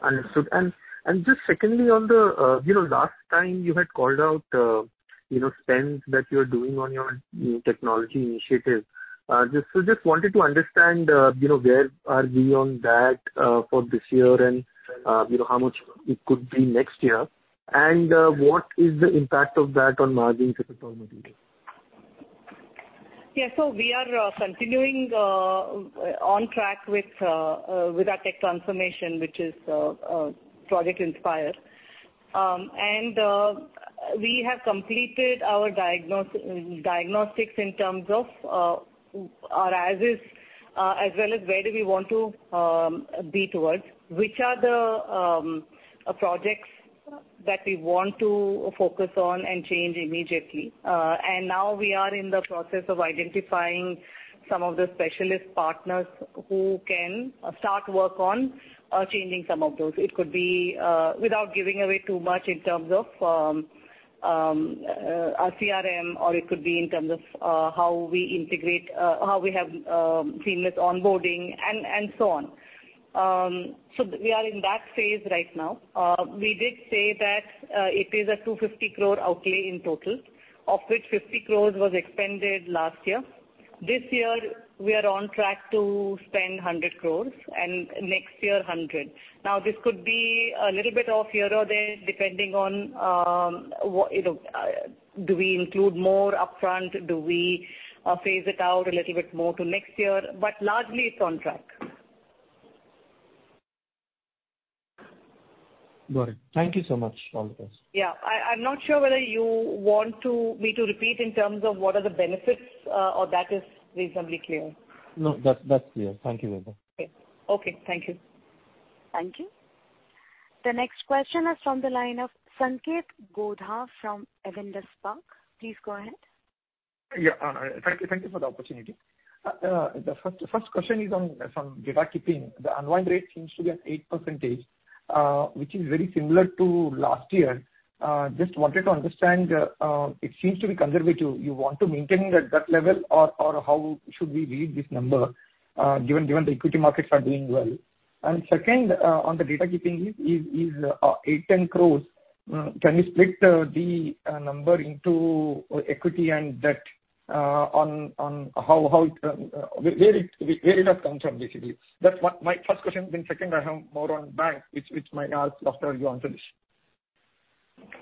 I: Understood. Just secondly, on the, you know, last time you had called out, you know, spends that you're doing on your new technology initiative, just so just wanted to understand, you know, where are we on that, for this year, and, you know, how much it could be next year, and, what is the impact of that on margins, if at all material?
B: We are continuing on track with our tech transformation, which is Project Inspire. We have completed our diagnostics in terms of our as is, as well as where do we want to be towards, which are the projects that we want to focus on and change immediately. Now we are in the process of identifying some of the specialist partners who can start work on changing some of those. It could be, without giving away too much in terms of a CRM, or it could be in terms of how we integrate, how we have seamless onboarding and so on. We are in that phase right now. We did say that it is a 250 crore outlay in total, of which 50 crore was expended last year. This year, we are on track to spend 100 crore, and next year, 100 crore. This could be a little bit off here or there, depending on, what, you know, do we include more upfront? Do we phase it out a little bit more to next year? Largely, it's on track.
I: Got it. Thank you so much, all of us.
B: Yeah. I'm not sure whether you want me to repeat in terms of what are the benefits, or that is reasonably clear?
I: No, that's clear. Thank you very much.
B: Okay. Okay, thank you.
A: Thank you. The next question is from the line of Sanketh Godha from Avendus Spark. Please go ahead.
J: Yeah, thank you for the opportunity. The first question is from data keeping. The unwind rate seems to be at 8%, which is very similar to last year. Just wanted to understand, it seems to be conservative. You want to maintain it at that level or how should we read this number, given the equity markets are doing well? Second, on the data keeping is 8-10 crore, can you split the number into equity and debt on how where it has come from, basically? That's my first question. Second, I have more on bank, which might ask after you answer this.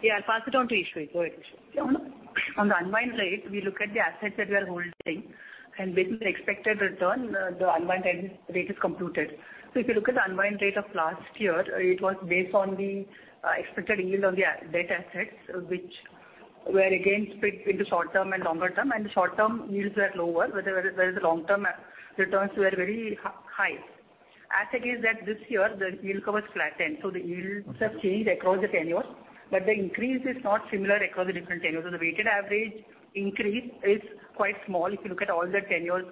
B: Yeah, I'll pass it on to Eshwari. Go ahead, Eshwari.
K: On the unwind rate, we look at the assets that we are holding, and with the expected return, the unwind rate is computed. If you look at the unwind rate of last year, it was based on the expected yield of the debt assets, which were again split into short term and longer term, the short term yields were lower, whereas the long term returns were very high. I think is that this year, the yield curve has flattened, the yields have changed across the tenures, but the increase is not similar across the different tenures. The weighted average increase is quite small if you look at all the tenures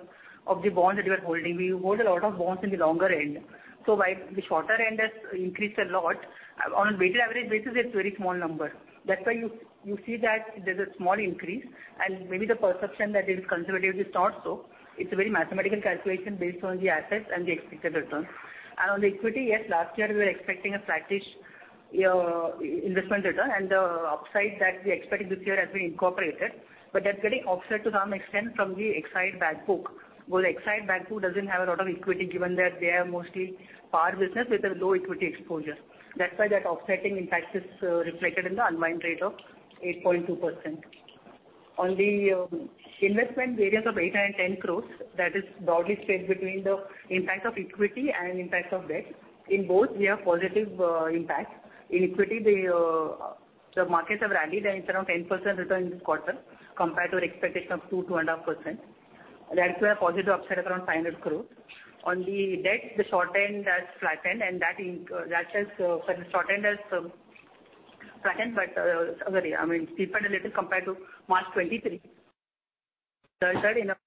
K: of the bonds that you are holding. We hold a lot of bonds in the longer end, so while the shorter end has increased a lot, on a weighted average basis, it's very small number. That's why you see that there's a small increase. Maybe the perception that it is conservative is not so. It's a very mathematical calculation based on the assets and the expected returns. On the equity, yes, last year, we were expecting a flattish investment return, and the upside that we expected this year has been incorporated, but that's getting offset to some extent from the Exide Life bank book. Well, Exide Life bank book doesn't have a lot of equity, given that they are mostly power business with a low equity exposure. That's why that offsetting impact is reflected in the unwind rate of 8.2%. On the investment variance of 8-10 crore, that is broadly spaced between the impact of equity and impact of debt. In both, we have positive impact. In equity, the markets have rallied, and it's around 10% return this quarter, compared to our expectation of 2%-2.5%. That's where positive upside around 500 crore. On the debt, the short end has flattened, but, sorry, I mean, deepened a little compared to March 2023. Does that in a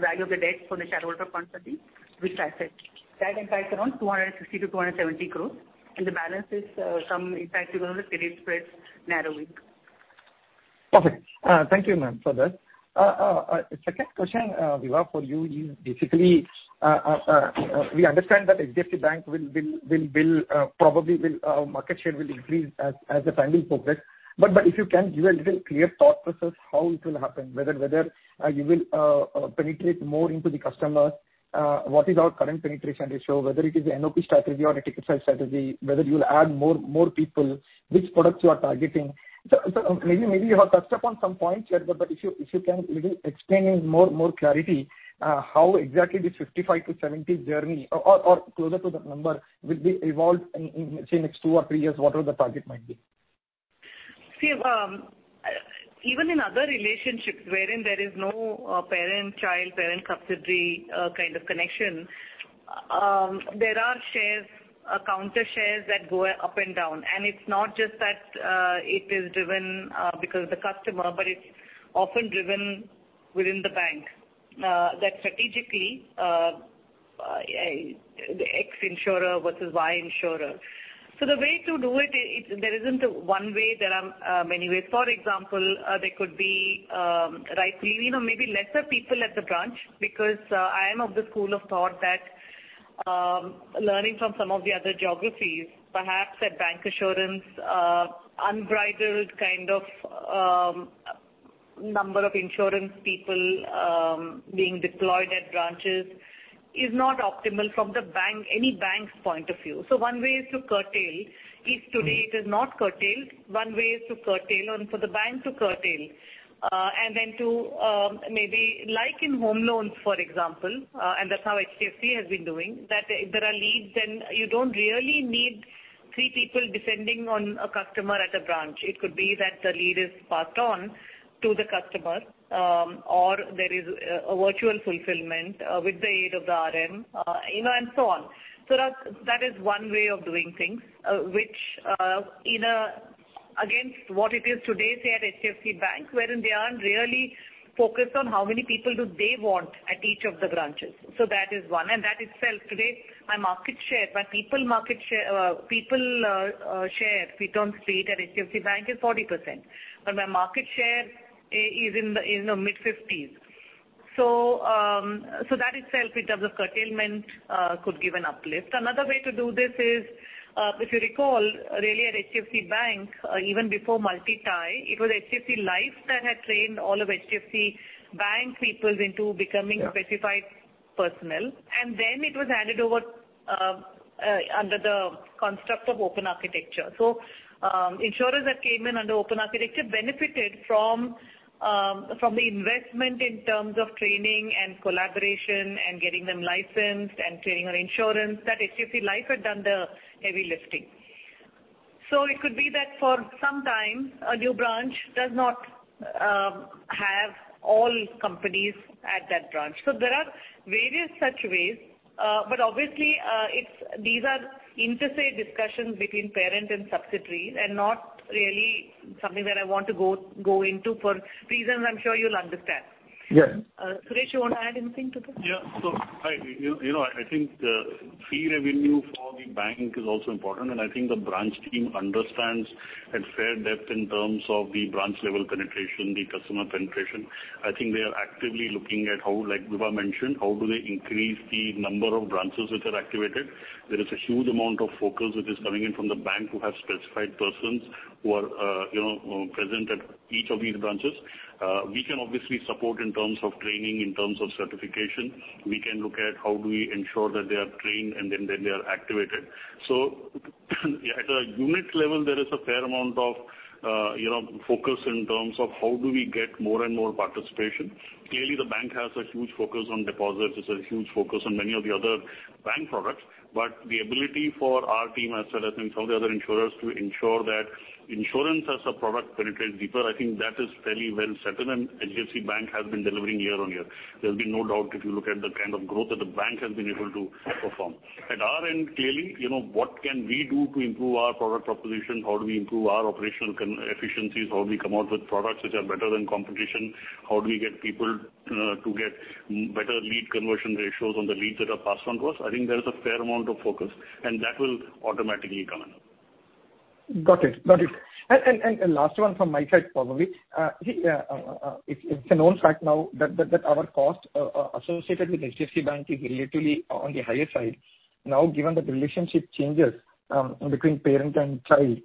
K: value of the debt for the shareholder point of view, we track it. That impacts around 260-270 crore, and the balance is some impact because of the credit spreads narrowing.
J: Okay. Thank you, ma'am, for that. Second question, Vibha, for you is basically, we understand that HDFC Bank will probably will market share will increase as the time will progress. If you can give a little clear thought process, how it will happen, whether you will penetrate more into the customers, what is our current penetration ratio, whether it is the NOP strategy or the ticket size strategy, whether you will add more people, which products you are targeting? Maybe you have touched upon some points here, but if you can little explain in more clarity, how exactly this 55 to 70 journey or closer to that number will be evolved in say, next two or three years, whatever the target might be?
B: See even in other relationships wherein there is no parent, child, parent, subsidiary, kind of connection, there are shares, counter shares that go up and down. It's not just that, it is driven because of the customer, but it's often driven within the bank that strategically X insurer versus Y insurer. The way to do it is there isn't a one way, there are many ways. For example, there could be, right, you know, maybe lesser people at the branch because I am of the school of thought that learning from some of the other geographies, perhaps at bank insurance, unbridled kind of number of insurance people being deployed at branches is not optimal from the bank, any bank's point of view. One way is to curtail. If today it is not curtailed, one way is to curtail and for the bank to curtail, and then to, maybe like in home loans, for example, and that's how HDFC has been doing, that there are leads, and you don't really need three people depending on a customer at a branch. It could be that the lead is passed on to the customer, or there is a virtual fulfillment, with the aid of the RM, you know, and so on. That, that is one way of doing things, which, against what it is today, say, at HDFC Bank, wherein they aren't really focused on how many people do they want at each of the branches. That is one, and that itself, today, my market share, my people market share, people share, if we don't state at HDFC Bank, is 40%, but my market share is in the mid-50s. That itself, in terms of curtailment, could give an uplift. Another way to do this is, if you recall, really at HDFC Bank, even before multi-tie, it was HDFC Life that had trained all of HDFC Bank peoples into becoming specified personnel, and then it was handed over under the construct of open architecture. Insurers that came in under open architecture benefited from the investment in terms of training and collaboration and getting them licensed and training on insurance, that HDFC Life had done the heavy lifting. It could be that for some time, a new branch does not have all companies at that branch. There are various such ways, but obviously, it's these are inter-se discussions between parent and subsidiaries, and not really something that I want to go into for reasons I'm sure you'll understand.
J: Yes.
B: Suresh, you want to add anything to this?
E: Yeah. I, you know, I think the fee revenue for the bank is also important, and I think the branch team understands at fair depth in terms of the branch level penetration, the customer penetration. I think they are actively looking at how, like Vibha mentioned, how do they increase the number of branches which are activated? There is a huge amount of focus which is coming in from the bank, who have specified persons who are, you know, present at each of these branches. We can obviously support in terms of training, in terms of certification. We can look at how do we ensure that they are trained and then they are activated. At a unit level, there is a fair amount of, you know, focus in terms of how do we get more and more participation. Clearly, the bank has a huge focus on deposits. There's a huge focus on many of the other bank products, but the ability for our team, as well as some of the other insurers, to ensure that insurance as a product penetrates deeper, I think that is fairly well settled, and HDFC Bank has been delivering year-over-year. There's been no doubt, if you look at the kind of growth that the bank has been able to perform. At our end, clearly, you know, what can we do to improve our product proposition? How do we improve our operational efficiencies? How do we come out with products which are better than competition? How do we get people to get better lead conversion ratios on the leads that are passed on to us? I think there is a fair amount of focus, and that will automatically come in.
J: Got it. Got it. last one from my side, probably. it's a known fact now that our cost associated with HDFC Bank is relatively on the higher side. Now, given that the relationship changes between parent and child,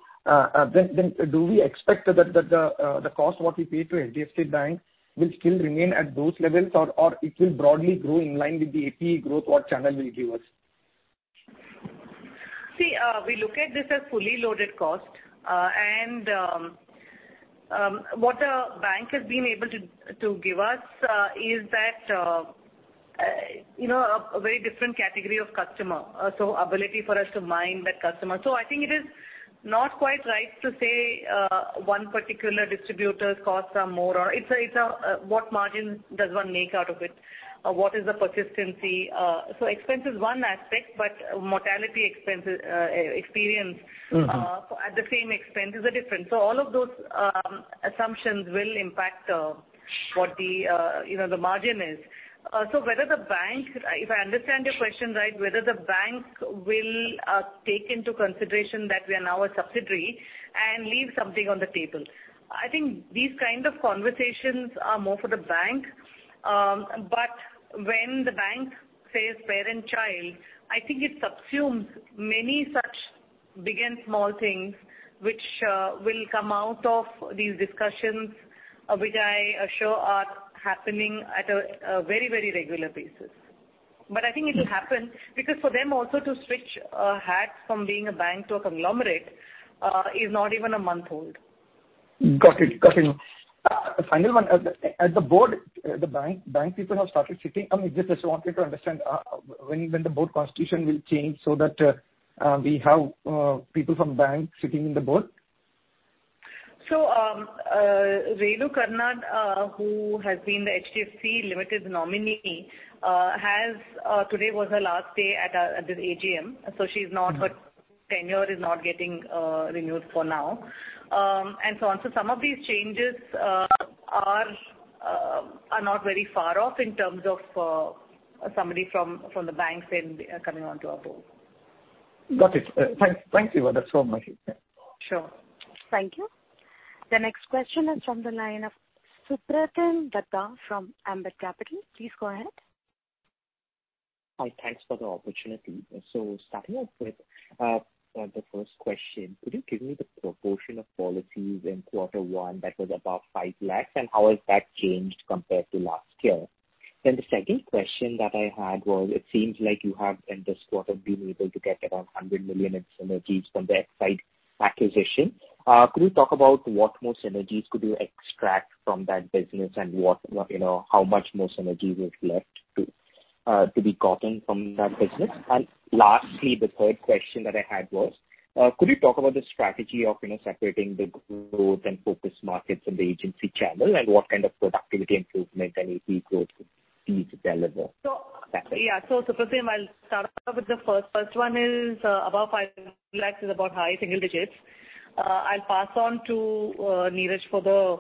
J: then do we expect that the cost what we pay to HDFC Bank will still remain at those levels? Or it will broadly grow in line with the APE growth what channel will give us?
B: We look at this as fully loaded cost, and, what the bank has been able to give us, is that, you know, a very different category of customer, so ability for us to mine that customer. I think it is not quite right to say, one particular distributor's costs are more or... It's a, what margin does one make out of it? What is the persistency? So expense is one aspect, but mortality expenses, experience at the same expense is a different. All of those assumptions will impact what the, you know, the margin is. If I understand your question right, whether the bank will take into consideration that we are now a subsidiary and leave something on the table. I think these kind of conversations are more for the bank, when the bank says parent, child, I think it subsumes many such big and small things, which will come out of these discussions, which I are sure are happening at a very regular basis. I think it will happen, because for them also to switch hats from being a bank to a conglomerate, is not even a month old.
J: Got it. Got it. Final one. At the board, the bank people have started sitting. I mean, wanted to understand, when the board constitution will change so that we have people from bank sitting in the board?
B: Renu Karnad, who has been the HDFC Limited nominee, today was her last day at this AGM, so her tenure is not getting renewed for now. And so on. Some of these changes are not very far off in terms of somebody from the banks and coming onto our board.
J: Got it. Thanks, thank you for that so much.
B: Sure.
A: Thank you. The next question is from the line of Supratim Datta from Ambit Capital. Please go ahead.
L: Hi, thanks for the opportunity. Starting off with the first question: Could you give me the proportion of policies in quarter one that was about 5 lakhs, and how has that changed compared to last year? The second question that I had was, it seems like you have in this quarter been able to get around 100 million in synergies from the Exide Life acquisition. Could you talk about what more synergies could you extract from that business and what, you know, how much more synergies is left to be gotten from that business? Lastly, the third question that I had was, could you talk about the strategy of, you know, separating the growth and focus markets in the agency channel, and what kind of productivity improvement and APE growth we need to deliver?
B: Yeah. Supratim, I'll start off with the first. First one is about 5 lakhs is about high single digits. I'll pass on to Niraj Shah for the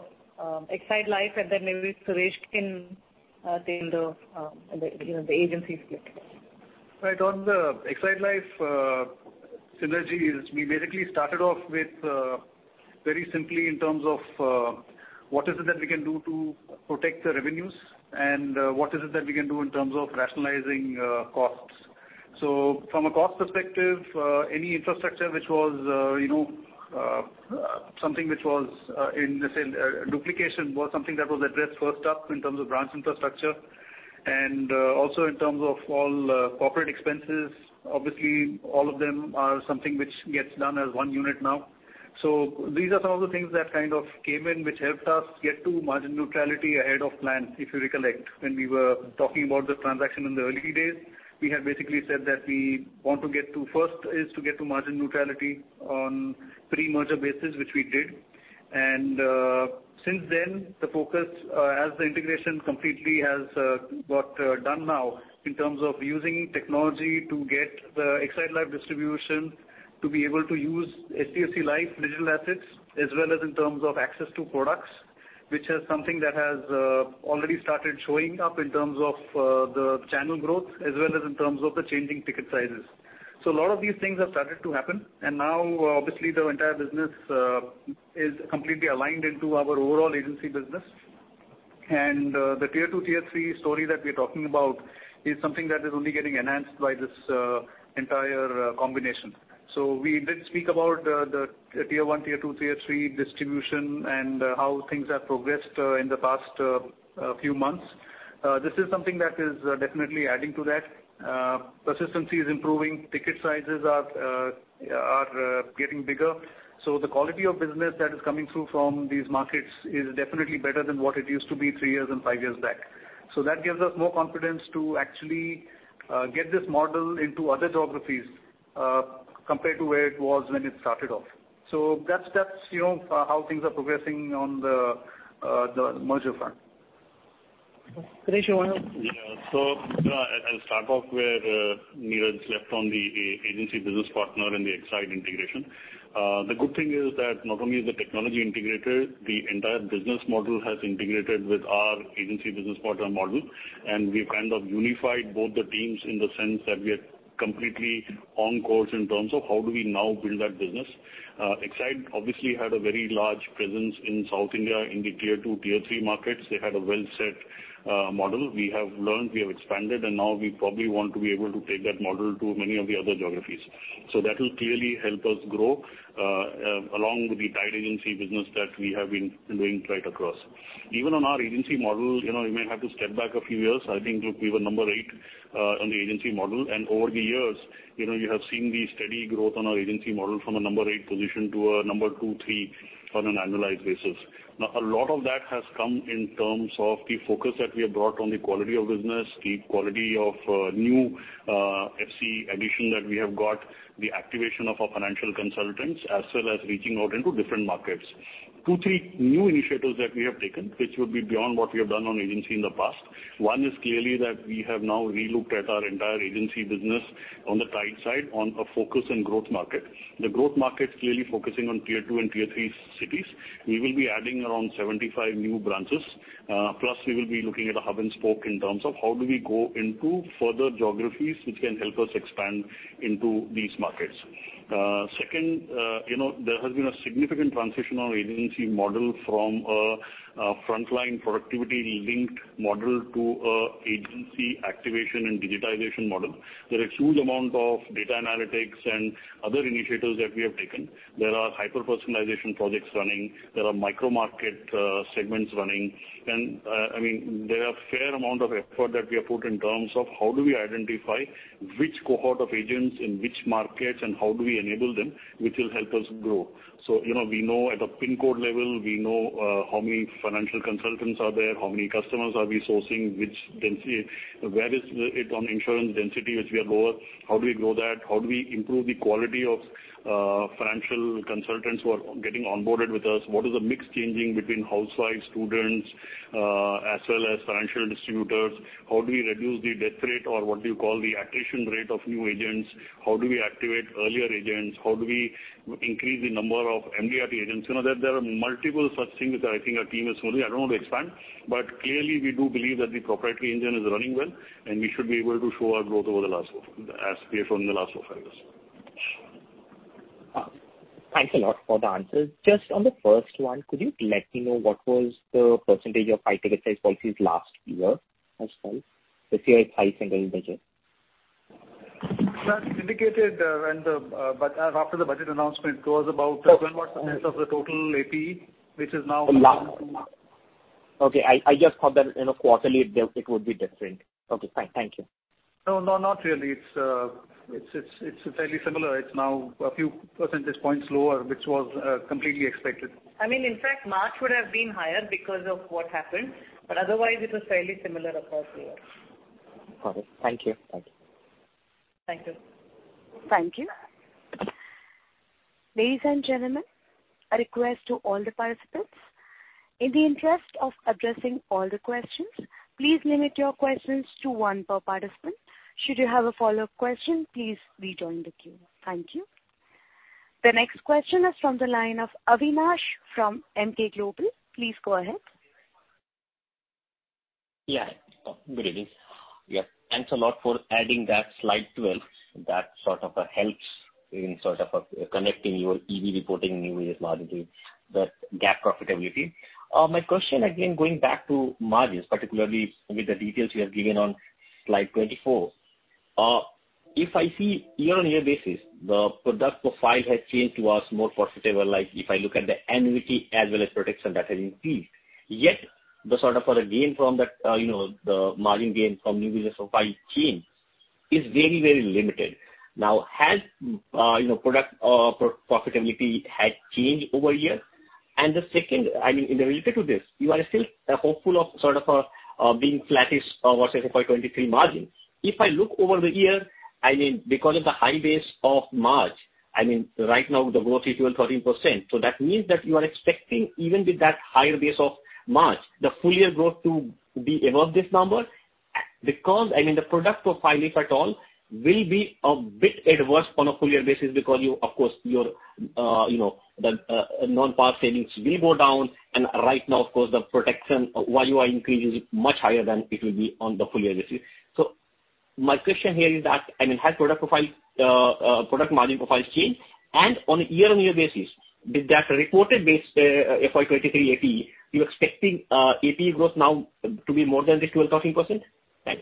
B: Exide Life, and then maybe Suresh Badami can tell the, you know, the agency split.
H: Right. On the Exide Life synergies, we basically started off with very simply in terms of what is it that we can do to protect the revenues, and what is it that we can do in terms of rationalizing costs. From a cost perspective, any infrastructure which was, you know, something which was in, let's say, duplication was something that was addressed first up in terms of branch infrastructure. Also in terms of all corporate expenses, obviously, all of them are something which gets done as one unit now. These are some of the things that kind of came in, which helped us get to margin neutrality ahead of plan. If you recollect, when we were talking about the transaction in the early days, we had basically said that we want to get to first is to get to margin neutrality on pre-merger basis, which we did. Since then, the focus as the integration completely has got done now in terms of using technology to get the Exide Life distribution to be able to use HDFC Life digital assets, as well as in terms of access to products, which is something that has already started showing up in terms of the channel growth as well as in terms of the changing ticket sizes. A lot of these things have started to happen, and now obviously the entire business is completely aligned into our overall agency business. The Tier 2, Tier 3 story that we're talking about is something that is only getting enhanced by this entire combination. We did speak about the Tier 1, Tier 2, Tier 3 distribution and how things have progressed in the past few months. This is something that is definitely adding to that. Persistency is improving, ticket sizes are getting bigger. The quality of business that is coming through from these markets is definitely better than what it used to be three years and five years back. That gives us more confidence to actually, get this model into other geographies, compared to where it was when it started off. That's, you know, how things are progressing on the merger front. Suresh, you want to...?
E: Yeah. I'll start off where Niraj left on the agency business partner and the Exide integration. The good thing is that not only is the technology integrated, the entire business model has integrated with our agency business partner model, and we've kind of unified both the teams in the sense that we are completely on course in terms of how do we now build that business. Exide obviously had a very large presence in South India, in the Tier 2, Tier 3 markets. They had a well-set model. We have learned, we have expanded, and now we probably want to be able to take that model to many of the other geographies. That will clearly help us grow along with the tied agency business that we have been doing right across. Even on our agency model, you know, you may have to step back a few years. I think we were 8 on the agency model, and over the years, you know, you have seen the steady growth on our agency model from a number eight position to a number two, three on an annualized basis. A lot of that has come in terms of the focus that we have brought on the quality of business, the quality of new FC addition that we have got, the activation of our financial consultants, as well as reaching out into different markets. Two, three new initiatives that we have taken, which would be beyond what we have done on agency in the past. One is clearly that we have now relooked at our entire agency business on the tied side, on a focus and growth market. The growth market is clearly focusing on Tier 2 and Tier 3 cities. We will be adding around 75 new branches. Plus, we will be looking at a hub and spoke in terms of how do we go into further geographies, which can help us expand into these markets. Second, you know, there has been a significant transition on agency model from a frontline productivity linked model to a agency activation and digitization model. There are huge amount of data analytics and other initiatives that we have taken. There are hyper-personalization projects running, there are micro-market segments running. I mean, there are fair amount of effort that we have put in terms of how do we identify which cohort of agents in which markets, and how do we enable them, which will help us grow? You know, we know at a pin code level, we know how many financial consultants are there, how many customers are we sourcing, which where is it on insurance density, which we are lower? How do we grow that? How do we improve the quality of financial consultants who are getting onboarded with us? What is the mix changing between housewives, students, as well as financial distributors? How do we reduce the death rate or what do you call the attrition rate of new agents? How do we activate earlier agents? How do we increase the number of MDRT agents? You know, there are multiple such things that I think our team is working. I don't want to expand, but clearly, we do believe that the proprietary engine is running well, and we should be able to show our growth over the last 4... as we have shown in the last 4, 5 years.
L: Thanks a lot for the answers. Just on the first one, could you let me know what was the percentage of high ticket size policies last year as well? This year, it's high single digit.
H: That indicated, when the, after the budget announcement, it was about 10% of the total APE, which is now.
L: Okay, I just thought that, you know, quarterly it would be different. Okay, fine. Thank you.
H: No, no, not really. It's fairly similar. It's now a few percentage points lower, which was completely expected.
B: I mean, in fact, March would have been higher because of what happened, otherwise it was fairly similar across the year.
L: Got it. Thank you. Thank you.
B: Thank you.
A: Thank you. Ladies and gentlemen, a request to all the participants. In the interest of addressing all the questions, please limit your questions to one per participant. Should you have a follow-up question, please rejoin the queue. Thank you. The next question is from the line of Avinash from Emkay Global. Please go ahead.
M: Yeah. Good evening. Yeah, thanks a lot for adding that slide 12. That sort of helps in sort of connecting your EV reporting new business margin, the GAAP profitability. My question again, going back to margins, particularly with the details you have given on slide 24. If I see year-on-year basis, the product profile has changed to us more profitable, like if I look at the annuity as well as protection that has increased. Yet the sort of gain from that, you know, the margin gain from new business profile changed... is very, very limited. Now, has, you know, product pro-profitability has changed over here? The second, I mean, in related to this, you are still hopeful of sort of being flattish of, say, for 2023 margin. If I look over the year, I mean, because of the high base of March, I mean, right now, the growth is 12%, 13%. That means that you are expecting, even with that higher base of March, the full year growth to be above this number? I mean, the product profile, product margin profiles changed? On a year-on-year basis, did that reported base FY 2023 APE, you're expecting APE growth now to be more than the 12%, 13%? Thanks.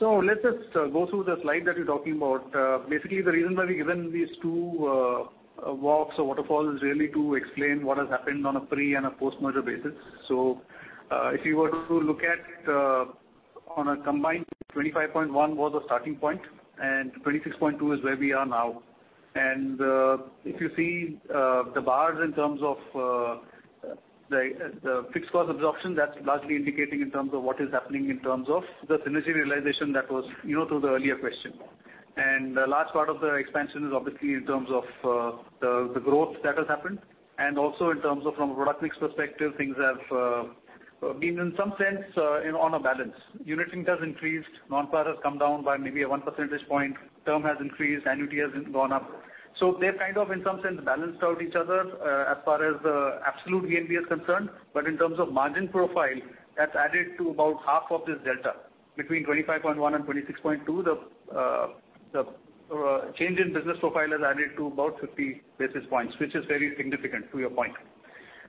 H: Let's just go through the slide that you're talking about. Basically, the reason why we've given these two walks or waterfalls is really to explain what has happened on a pre- and a post-merger basis. If you were to look at on a combined, 25.1 was the starting point, and 26.2 is where we are now. If you see the bars in terms of the fixed cost absorption, that's largely indicating in terms of what is happening in terms of the synergy realization that was, you know, through the earlier question. The last part of the expansion is obviously in terms of the growth that has happened, and also in terms of from a product mix perspective, things have been in some sense in on a balance. Unit link has increased, non-par has come down by maybe a 1 percentage point, term has increased, annuity has gone up. They've kind of in some sense balanced out each other as far as the absolute VNB is concerned. In terms of margin profile, that's added to about half of this delta. Between 25.1 and 26.2, the change in business profile has added to about 50 basis points, which is very significant to your point.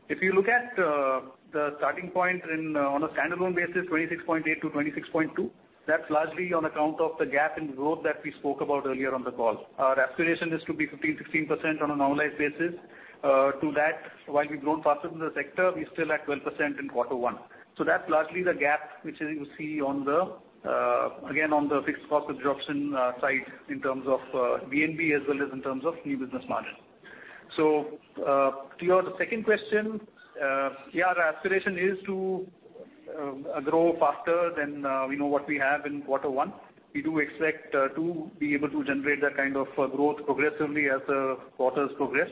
H: If you look at the starting point on a standalone basis, 26.8 to 26.2, that's largely on account of the gap in growth that we spoke about earlier on the call. Our aspiration is to be 15%, 16% on a normalized basis. To that, while we've grown faster than the sector, we're still at 12% in quarter one. That's largely the gap which you see on the again, on the fixed cost absorption side in terms of VNB as well as in terms of new business margin. To your second question, yeah, our aspiration is to grow faster than we know what we have in quarter one. We do expect to be able to generate that kind of growth progressively as the quarters progress.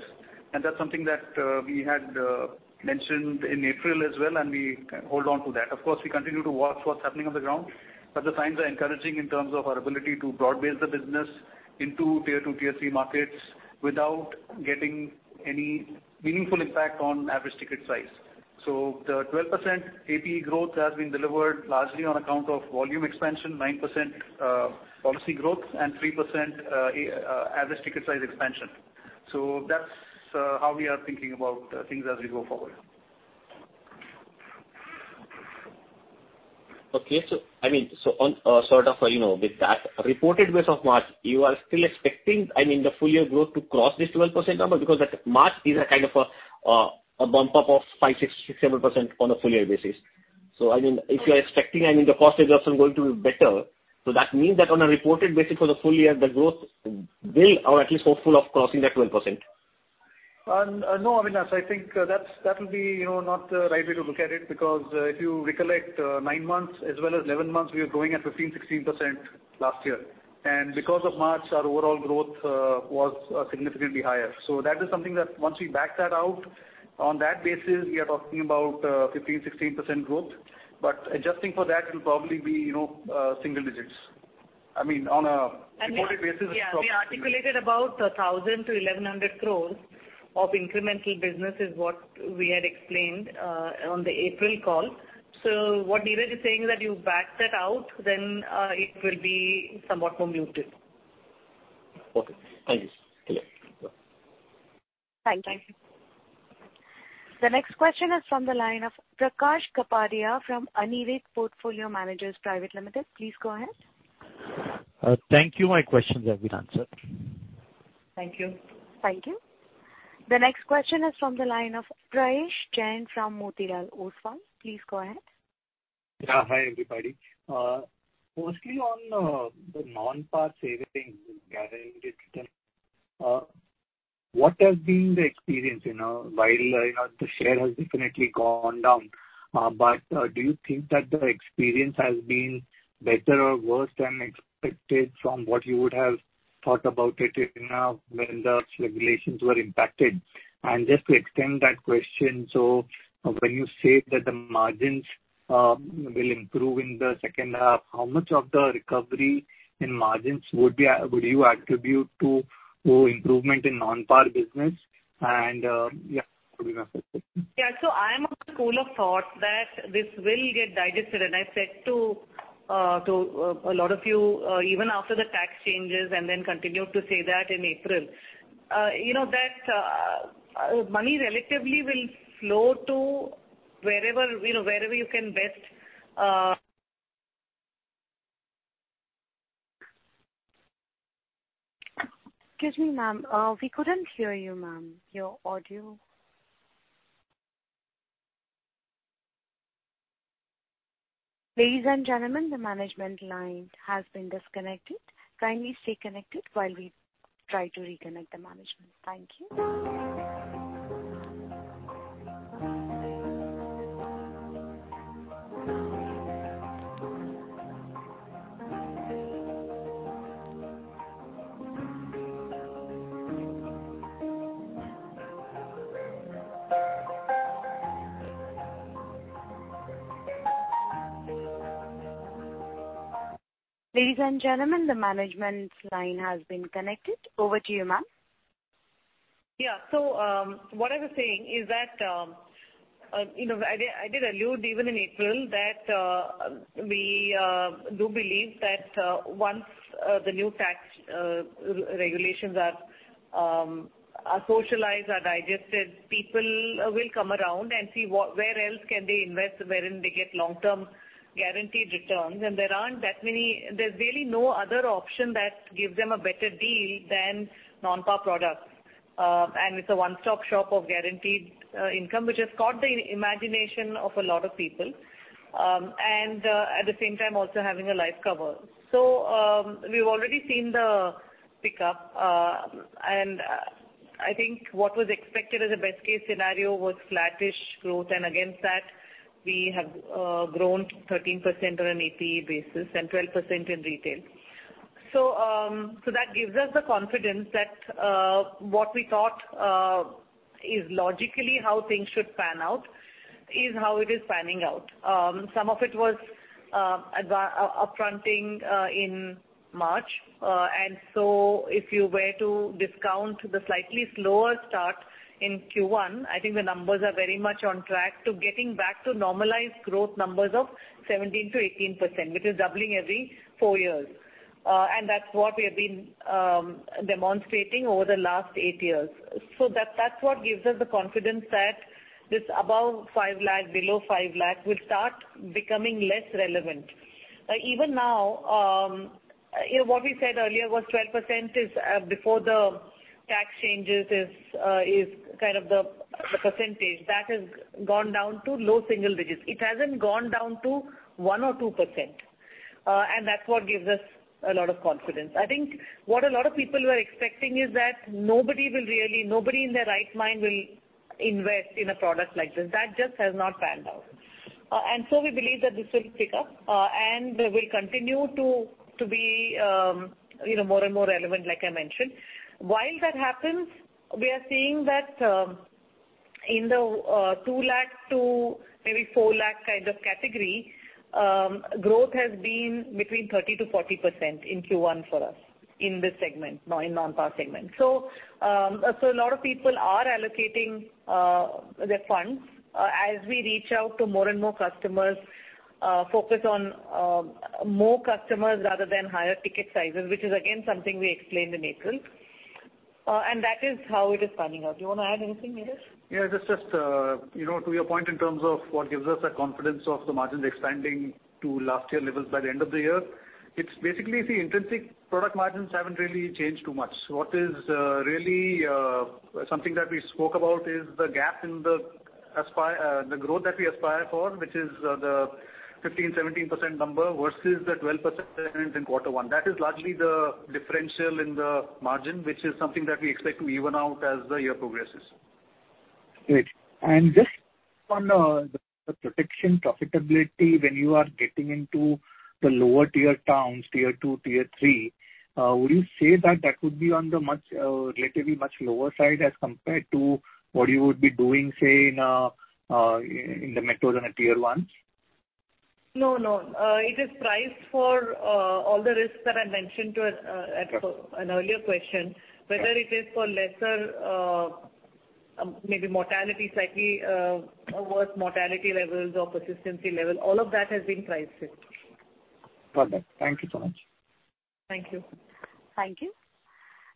H: That's something that we had mentioned in April as well, and we hold on to that. We continue to watch what's happening on the ground, the signs are encouraging in terms of our ability to broad-base the business into Tier 2, Tier 3 markets without getting any meaningful impact on average ticket size. The 12% APE growth has been delivered largely on account of volume expansion, 9% policy growth, and 3% average ticket size expansion. That's how we are thinking about things as we go forward.
M: Okay. I mean, on, sort of, you know, with that reported base of March, you are still expecting, I mean, the full year growth to cross this 12% number? That March is a kind of a bump up of 5%, 6%, 7% on a full year basis. I mean, if you are expecting, I mean, the cost absorption going to be better, that means that on a reported basis for the full year, the growth will or at least hopeful of crossing that 12%.
H: No, I mean, as I think, that will be, you know, not the right way to look at it, because, if you recollect, 9 months as well as 11 months, we are growing at 15%, 16% last year. Because of March, our overall growth was significantly higher. That is something that once we back that out, on that basis, we are talking about 15%, 16% growth. Adjusting for that will probably be, you know, single digits. I mean, on a reported basis.
B: Yeah, we articulated about 1,000-1,100 crore of incremental business is what we had explained on the April call. What Niraj Shah is saying is that you back that out, it will be somewhat more muted.
M: Okay. Thank you. Thank you.
A: Thank you. The next question is from the line of Prakash Kapadia from Anived Portfolio Managers Private Limited. Please go ahead.
N: Thank you. My questions have been answered.
B: Thank you.
A: Thank you. The next question is from the line of Pravesh Jain from Motilal Oswal. Please go ahead.
O: Yeah. Hi, everybody. mostly on, the non-par savings getting digested, what has been the experience, you know, while, you know, the share has definitely gone down? Do you think that the experience has been better or worse than expected from what you would have thought about it, you know, when the regulations were impacted? Just to extend that question, when you say that the margins will improve in the second half, how much of the recovery in margins would you attribute to improvement in non-par business? Yeah.
B: Yeah, I am of the school of thought that this will get digested, and I said to a lot of you, even after the tax changes and then continued to say that in April. You know, that money relatively will flow to wherever, you know, wherever you can best.
A: Excuse me, ma'am, we couldn't hear you, ma'am. Your audio. Ladies and gentlemen, the management line has been disconnected. Kindly stay connected while we try to reconnect the management. Thank you. Ladies and gentlemen, the management's line has been connected. Over to you, ma'am.
B: What I was saying is that, you know, I did allude even in April, that we do believe that once the new tax regulations are socialized, are digested, people will come around and see where else can they invest, wherein they get long-term guaranteed returns. There's really no other option that gives them a better deal than non-par products. It's a one-stop shop of guaranteed income, which has caught the imagination of a lot of people, and at the same time, also having a life cover. We've already seen the pick up, and I think what was expected as a best case scenario was flattish growth, and against that, we have grown 13% on an APE basis and 12% in retail. That gives us the confidence that what we thought is logically how things should pan out, is how it is panning out. Some of it was up fronting in March. If you were to discount the slightly slower start in Q1, I think the numbers are very much on track to getting back to normalized growth numbers of 17%-18%, which is doubling every 4 years. That's what we have been demonstrating over the last 8 years. That's what gives us the confidence that this above 5 lakh, below 5 lakh, will start becoming less relevant. Even now, you know, what we said earlier was 12% is before the tax changes is kind of the percentage that has gone down to low single digits. It hasn't gone down to 1% or 2%, and that's what gives us a lot of confidence. I think what a lot of people were expecting is that nobody will really, nobody in their right mind will invest in a product like this. That just has not panned out. We believe that this will pick up, and will continue to be, you know, more and more relevant, like I mentioned. While that happens, we are seeing that, in the, 2 lakh to maybe 4 lakh kind of category, growth has been between 30%-40% in Q1 for us in this segment, in non-par segment. A lot of people are allocating, their funds, as we reach out to more and more customers, focus on, more customers rather than higher ticket sizes, which is, again, something we explained in April. That is how it is panning out. Do you want to add anything, Niraj?
H: Just, you know, to your point in terms of what gives us the confidence of the margins expanding to last year levels by the end of the year, it's basically the intrinsic product margins haven't really changed too much. What is really something that we spoke about is the gap in the aspire, the growth that we aspire for, which is the 15%, 17% number, versus the 12% in Q1. That is largely the differential in the margin, which is something that we expect to even out as the year progresses.
O: Great. Just on the protection profitability, when you are getting into the lower tier towns, Tier 2, Tier 3, would you say that that would be on the much, relatively much lower side as compared to what you would be doing, say, in the metros and the Tier 1s?
B: No, no. It is priced for all the risks that I mentioned to at an earlier question. Whether it is for lesser, maybe mortality, slightly worse mortality levels or persistency level, all of that has been priced in.
O: Perfect. Thank you so much.
B: Thank you.
A: Thank you.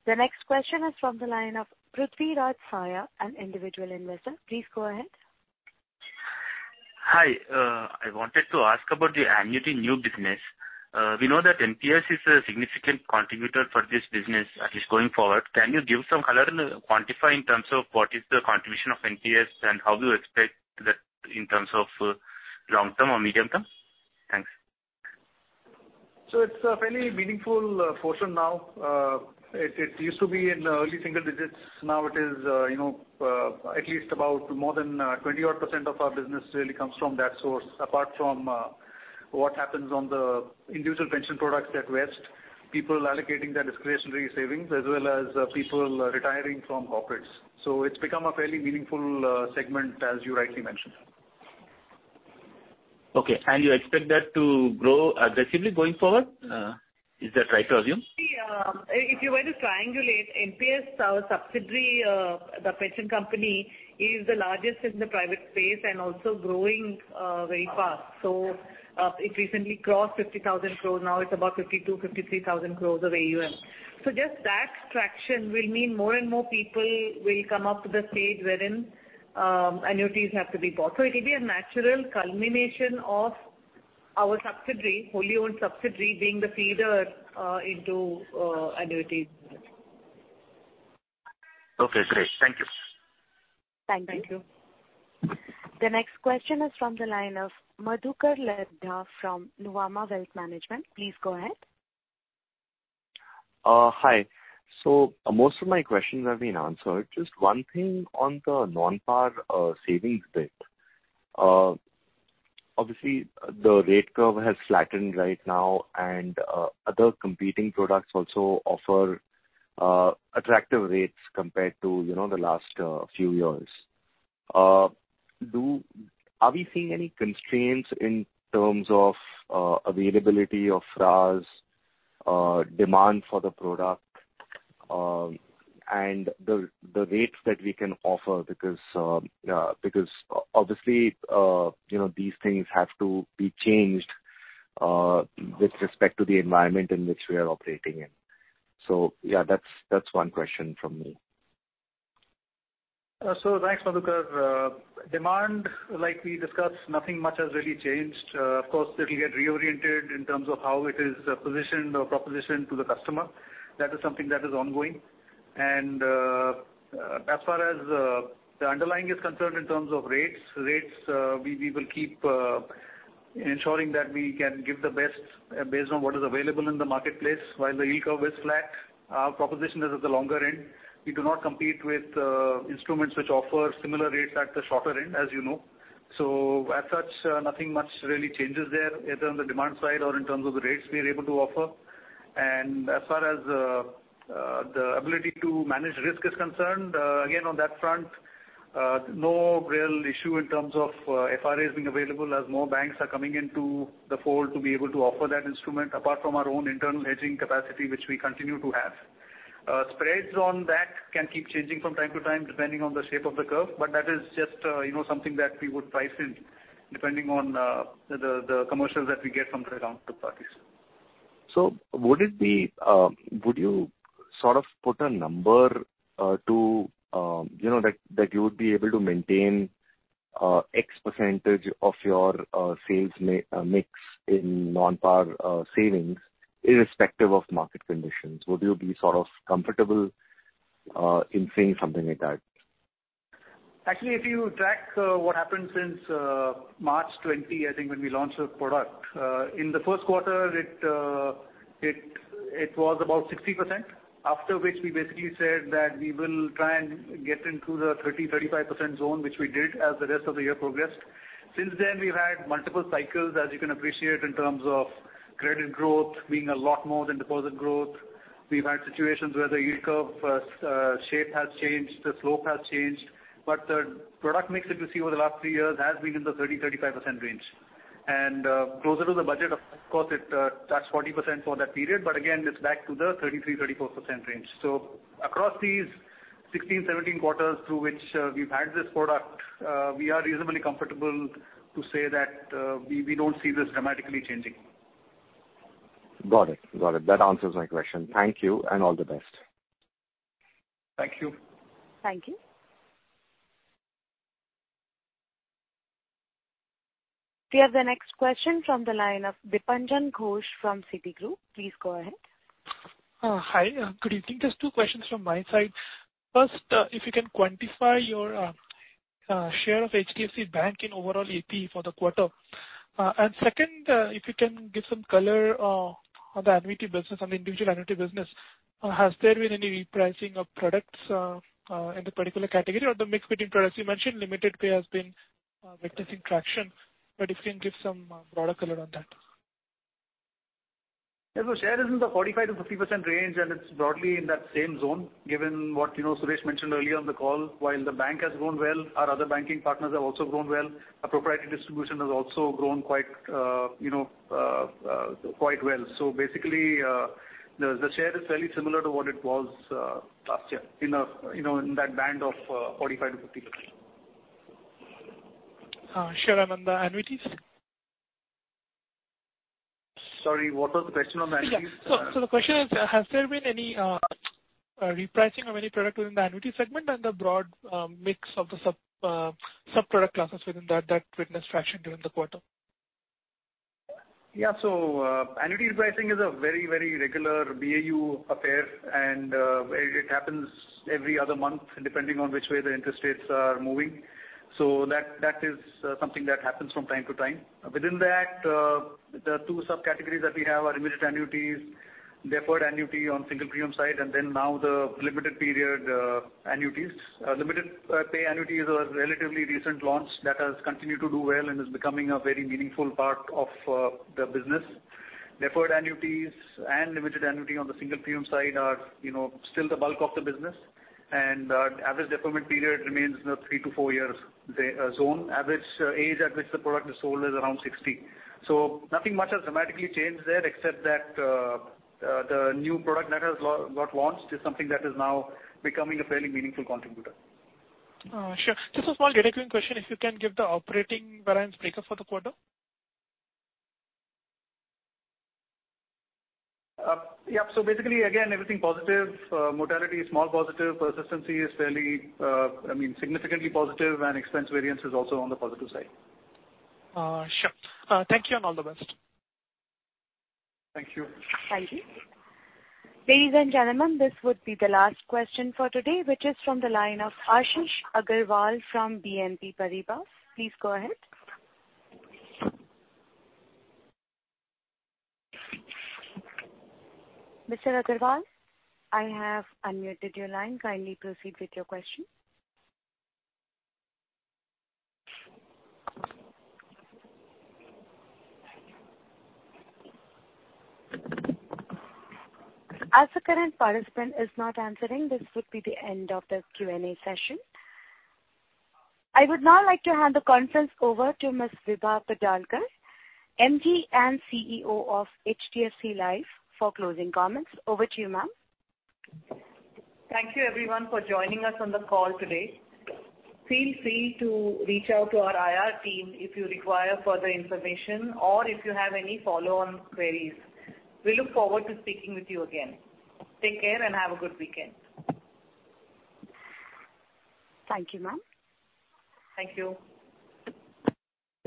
A: The next question is from the line of Prudvi Raj Saya, an individual investor. Please go ahead.
P: Hi. I wanted to ask about the annuity new business. We know that NPS is a significant contributor for this business, at least going forward. Can you give some color and quantify in terms of what is the contribution of NPS, and how do you expect that in terms of long term or medium term? Thanks.
H: It's a fairly meaningful portion now. It used to be in the early single digits. Now it is, you know, at least about more than 20 odd % of our business really comes from that source. Apart from what happens on the individual pension products at West, people allocating their discretionary savings, as well as, people retiring from corporates. It's become a fairly meaningful segment, as you rightly mentioned.
P: Okay. You expect that to grow aggressively going forward? Is that right to assume?
B: If you were to triangulate NPS, our subsidiary, the pension company, is the largest in the private space and also growing very fast. It recently crossed 50,000 crore. Now it's about 52,000-53,000 crore of AUM. Just that traction will mean more and more people will come up to the stage wherein annuities have to be bought. It will be a natural culmination of our subsidiary, wholly owned subsidiary, being the feeder into annuity.
P: Okay, great. Thank you.
B: Thank you.
A: Thank you. The next question is from the line of Madhukar Ladha from Nuvama Wealth Management. Please go ahead.
Q: Hi. Most of my questions have been answered. Just one thing on the nonpar savings bit. Obviously, the rate curve has flattened right now, and other competing products also offer attractive rates compared to, you know, the last few years. Are we seeing any constraints in terms of availability of FRAs, demand for the product, and the rates that we can offer? Because obviously, you know, these things have to be changed with respect to the environment in which we are operating in. Yeah, that's one question from me.
H: Thanks, Madhukar. Demand, like we discussed, nothing much has really changed. Of course, it'll get reoriented in terms of how it is positioned or propositioned to the customer. That is something that is ongoing. As far as the underlying is concerned in terms of rates, we will keep ensuring that we can give the best based on what is available in the marketplace. While the yield curve is flat, our proposition is at the longer end. We do not compete with instruments which offer similar rates at the shorter end, as you know. As such, nothing much really changes there, either on the demand side or in terms of the rates we are able to offer. As far as the ability to manage risk is concerned, again, on that front, no real issue in terms of FRAs being available as more banks are coming into the fold to be able to offer that instrument, apart from our own internal hedging capacity, which we continue to have. Spreads on that can keep changing from time to time, depending on the shape of the curve, but that is just, you know, something that we would price in depending on the commercials that we get from the counterparties.
Q: Would you sort of put a number to, you know, that you would be able to maintain X% of your sales mix in non-par savings, irrespective of market conditions? Would you be sort of comfortable in saying something like that?
H: Actually, if you track what happened since March 20, I think, when we launched the product in the first quarter, it was about 60%, after which we basically said that we will try and get into the 30%-35% zone, which we did as the rest of the year progressed. Since then, we've had multiple cycles, as you can appreciate, in terms of credit growth being a lot more than deposit growth. We've had situations where the yield curve shape has changed, the slope has changed. The product mix that you see over the last three years has been in the 30%-35% range. Closer to the budget, of course, it touched 40% for that period, again, it's back to the 33%-34% range. Across these 16, 17 quarters through which we've had this product, we are reasonably comfortable to say that we don't see this dramatically changing.
Q: Got it. Got it. That answers my question. Thank you and all the best.
H: Thank you.
A: Thank you. We have the next question from the line of Dipanjan Ghosh from Citigroup. Please go ahead.
R: Hi, good evening. Just two questions from my side. First, if you can quantify your share of HDFC Bank in overall APE for the quarter. Second, if you can give some color on the annuity business, on the individual annuity business. Has there been any repricing of products in the particular category or the mix between products? You mentioned Limited Pay has been witnessing traction, but if you can give some product color on that.
H: Yes, share is in the 45%-50% range, and it's broadly in that same zone. Given what, you know, Suresh mentioned earlier on the call, while the bank has grown well, our other banking partners have also grown well. Our proprietary distribution has also grown quite, you know, quite well. Basically, the share is fairly similar to what it was last year, in a, you know, in that band of 45%-50%.
R: Sure, on the annuities?
H: Sorry, what was the question on the annuities?
R: So the question is, has there been any repricing of any product within the annuity segment and the broad mix of the sub-product classes within that witnessed traction during the quarter?
H: Annuity repricing is a very, very regular BAU affair, and it happens every other month, depending on which way the interest rates are moving. That is something that happens from time to time. Within that, the two subcategories that we have are immediate annuities, deferred annuity on single premium side, and then now the limited period annuities. Limited pay annuities are a relatively recent launch that has continued to do well and is becoming a very meaningful part of the business. Deferred annuities and limited annuity on the single premium side are, you know, still the bulk of the business, and average deferment period remains in the 3-4 years zone. Average age at which the product is sold is around 60. Nothing much has dramatically changed there, except that, the new product that has got launched is something that is now becoming a fairly meaningful contributor.
R: Sure. Just a small data cleaning question, if you can give the operating balance breakup for the quarter?
H: Yeah. Basically, again, everything positive. Mortality is small positive, persistency is fairly, I mean, significantly positive, and expense variance is also on the positive side.
R: Sure. Thank you and all the best.
H: Thank you.
A: Thank you. Ladies and gentlemen, this would be the last question for today, which is from the line of Ashish Agarwal from BNP Paribas. Please go ahead. Mr. Agarwal, I have unmuted your line. Kindly proceed with your question. As the current participant is not answering, this would be the end of the Q&A session. I would now like to hand the conference over to Ms. Vibha Padalkar, MD and CEO of HDFC Life, for closing comments. Over to you, ma'am.
B: Thank you, everyone, for joining us on the call today. Feel free to reach out to our IR team if you require further information or if you have any follow-on queries. We look forward to speaking with you again. Take care and have a good weekend.
A: Thank you, ma'am.
B: Thank you.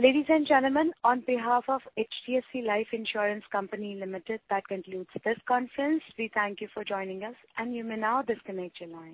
A: Ladies and gentlemen, on behalf of HDFC Life Insurance Company Limited, that concludes this conference. We thank you for joining us, and you may now disconnect your lines.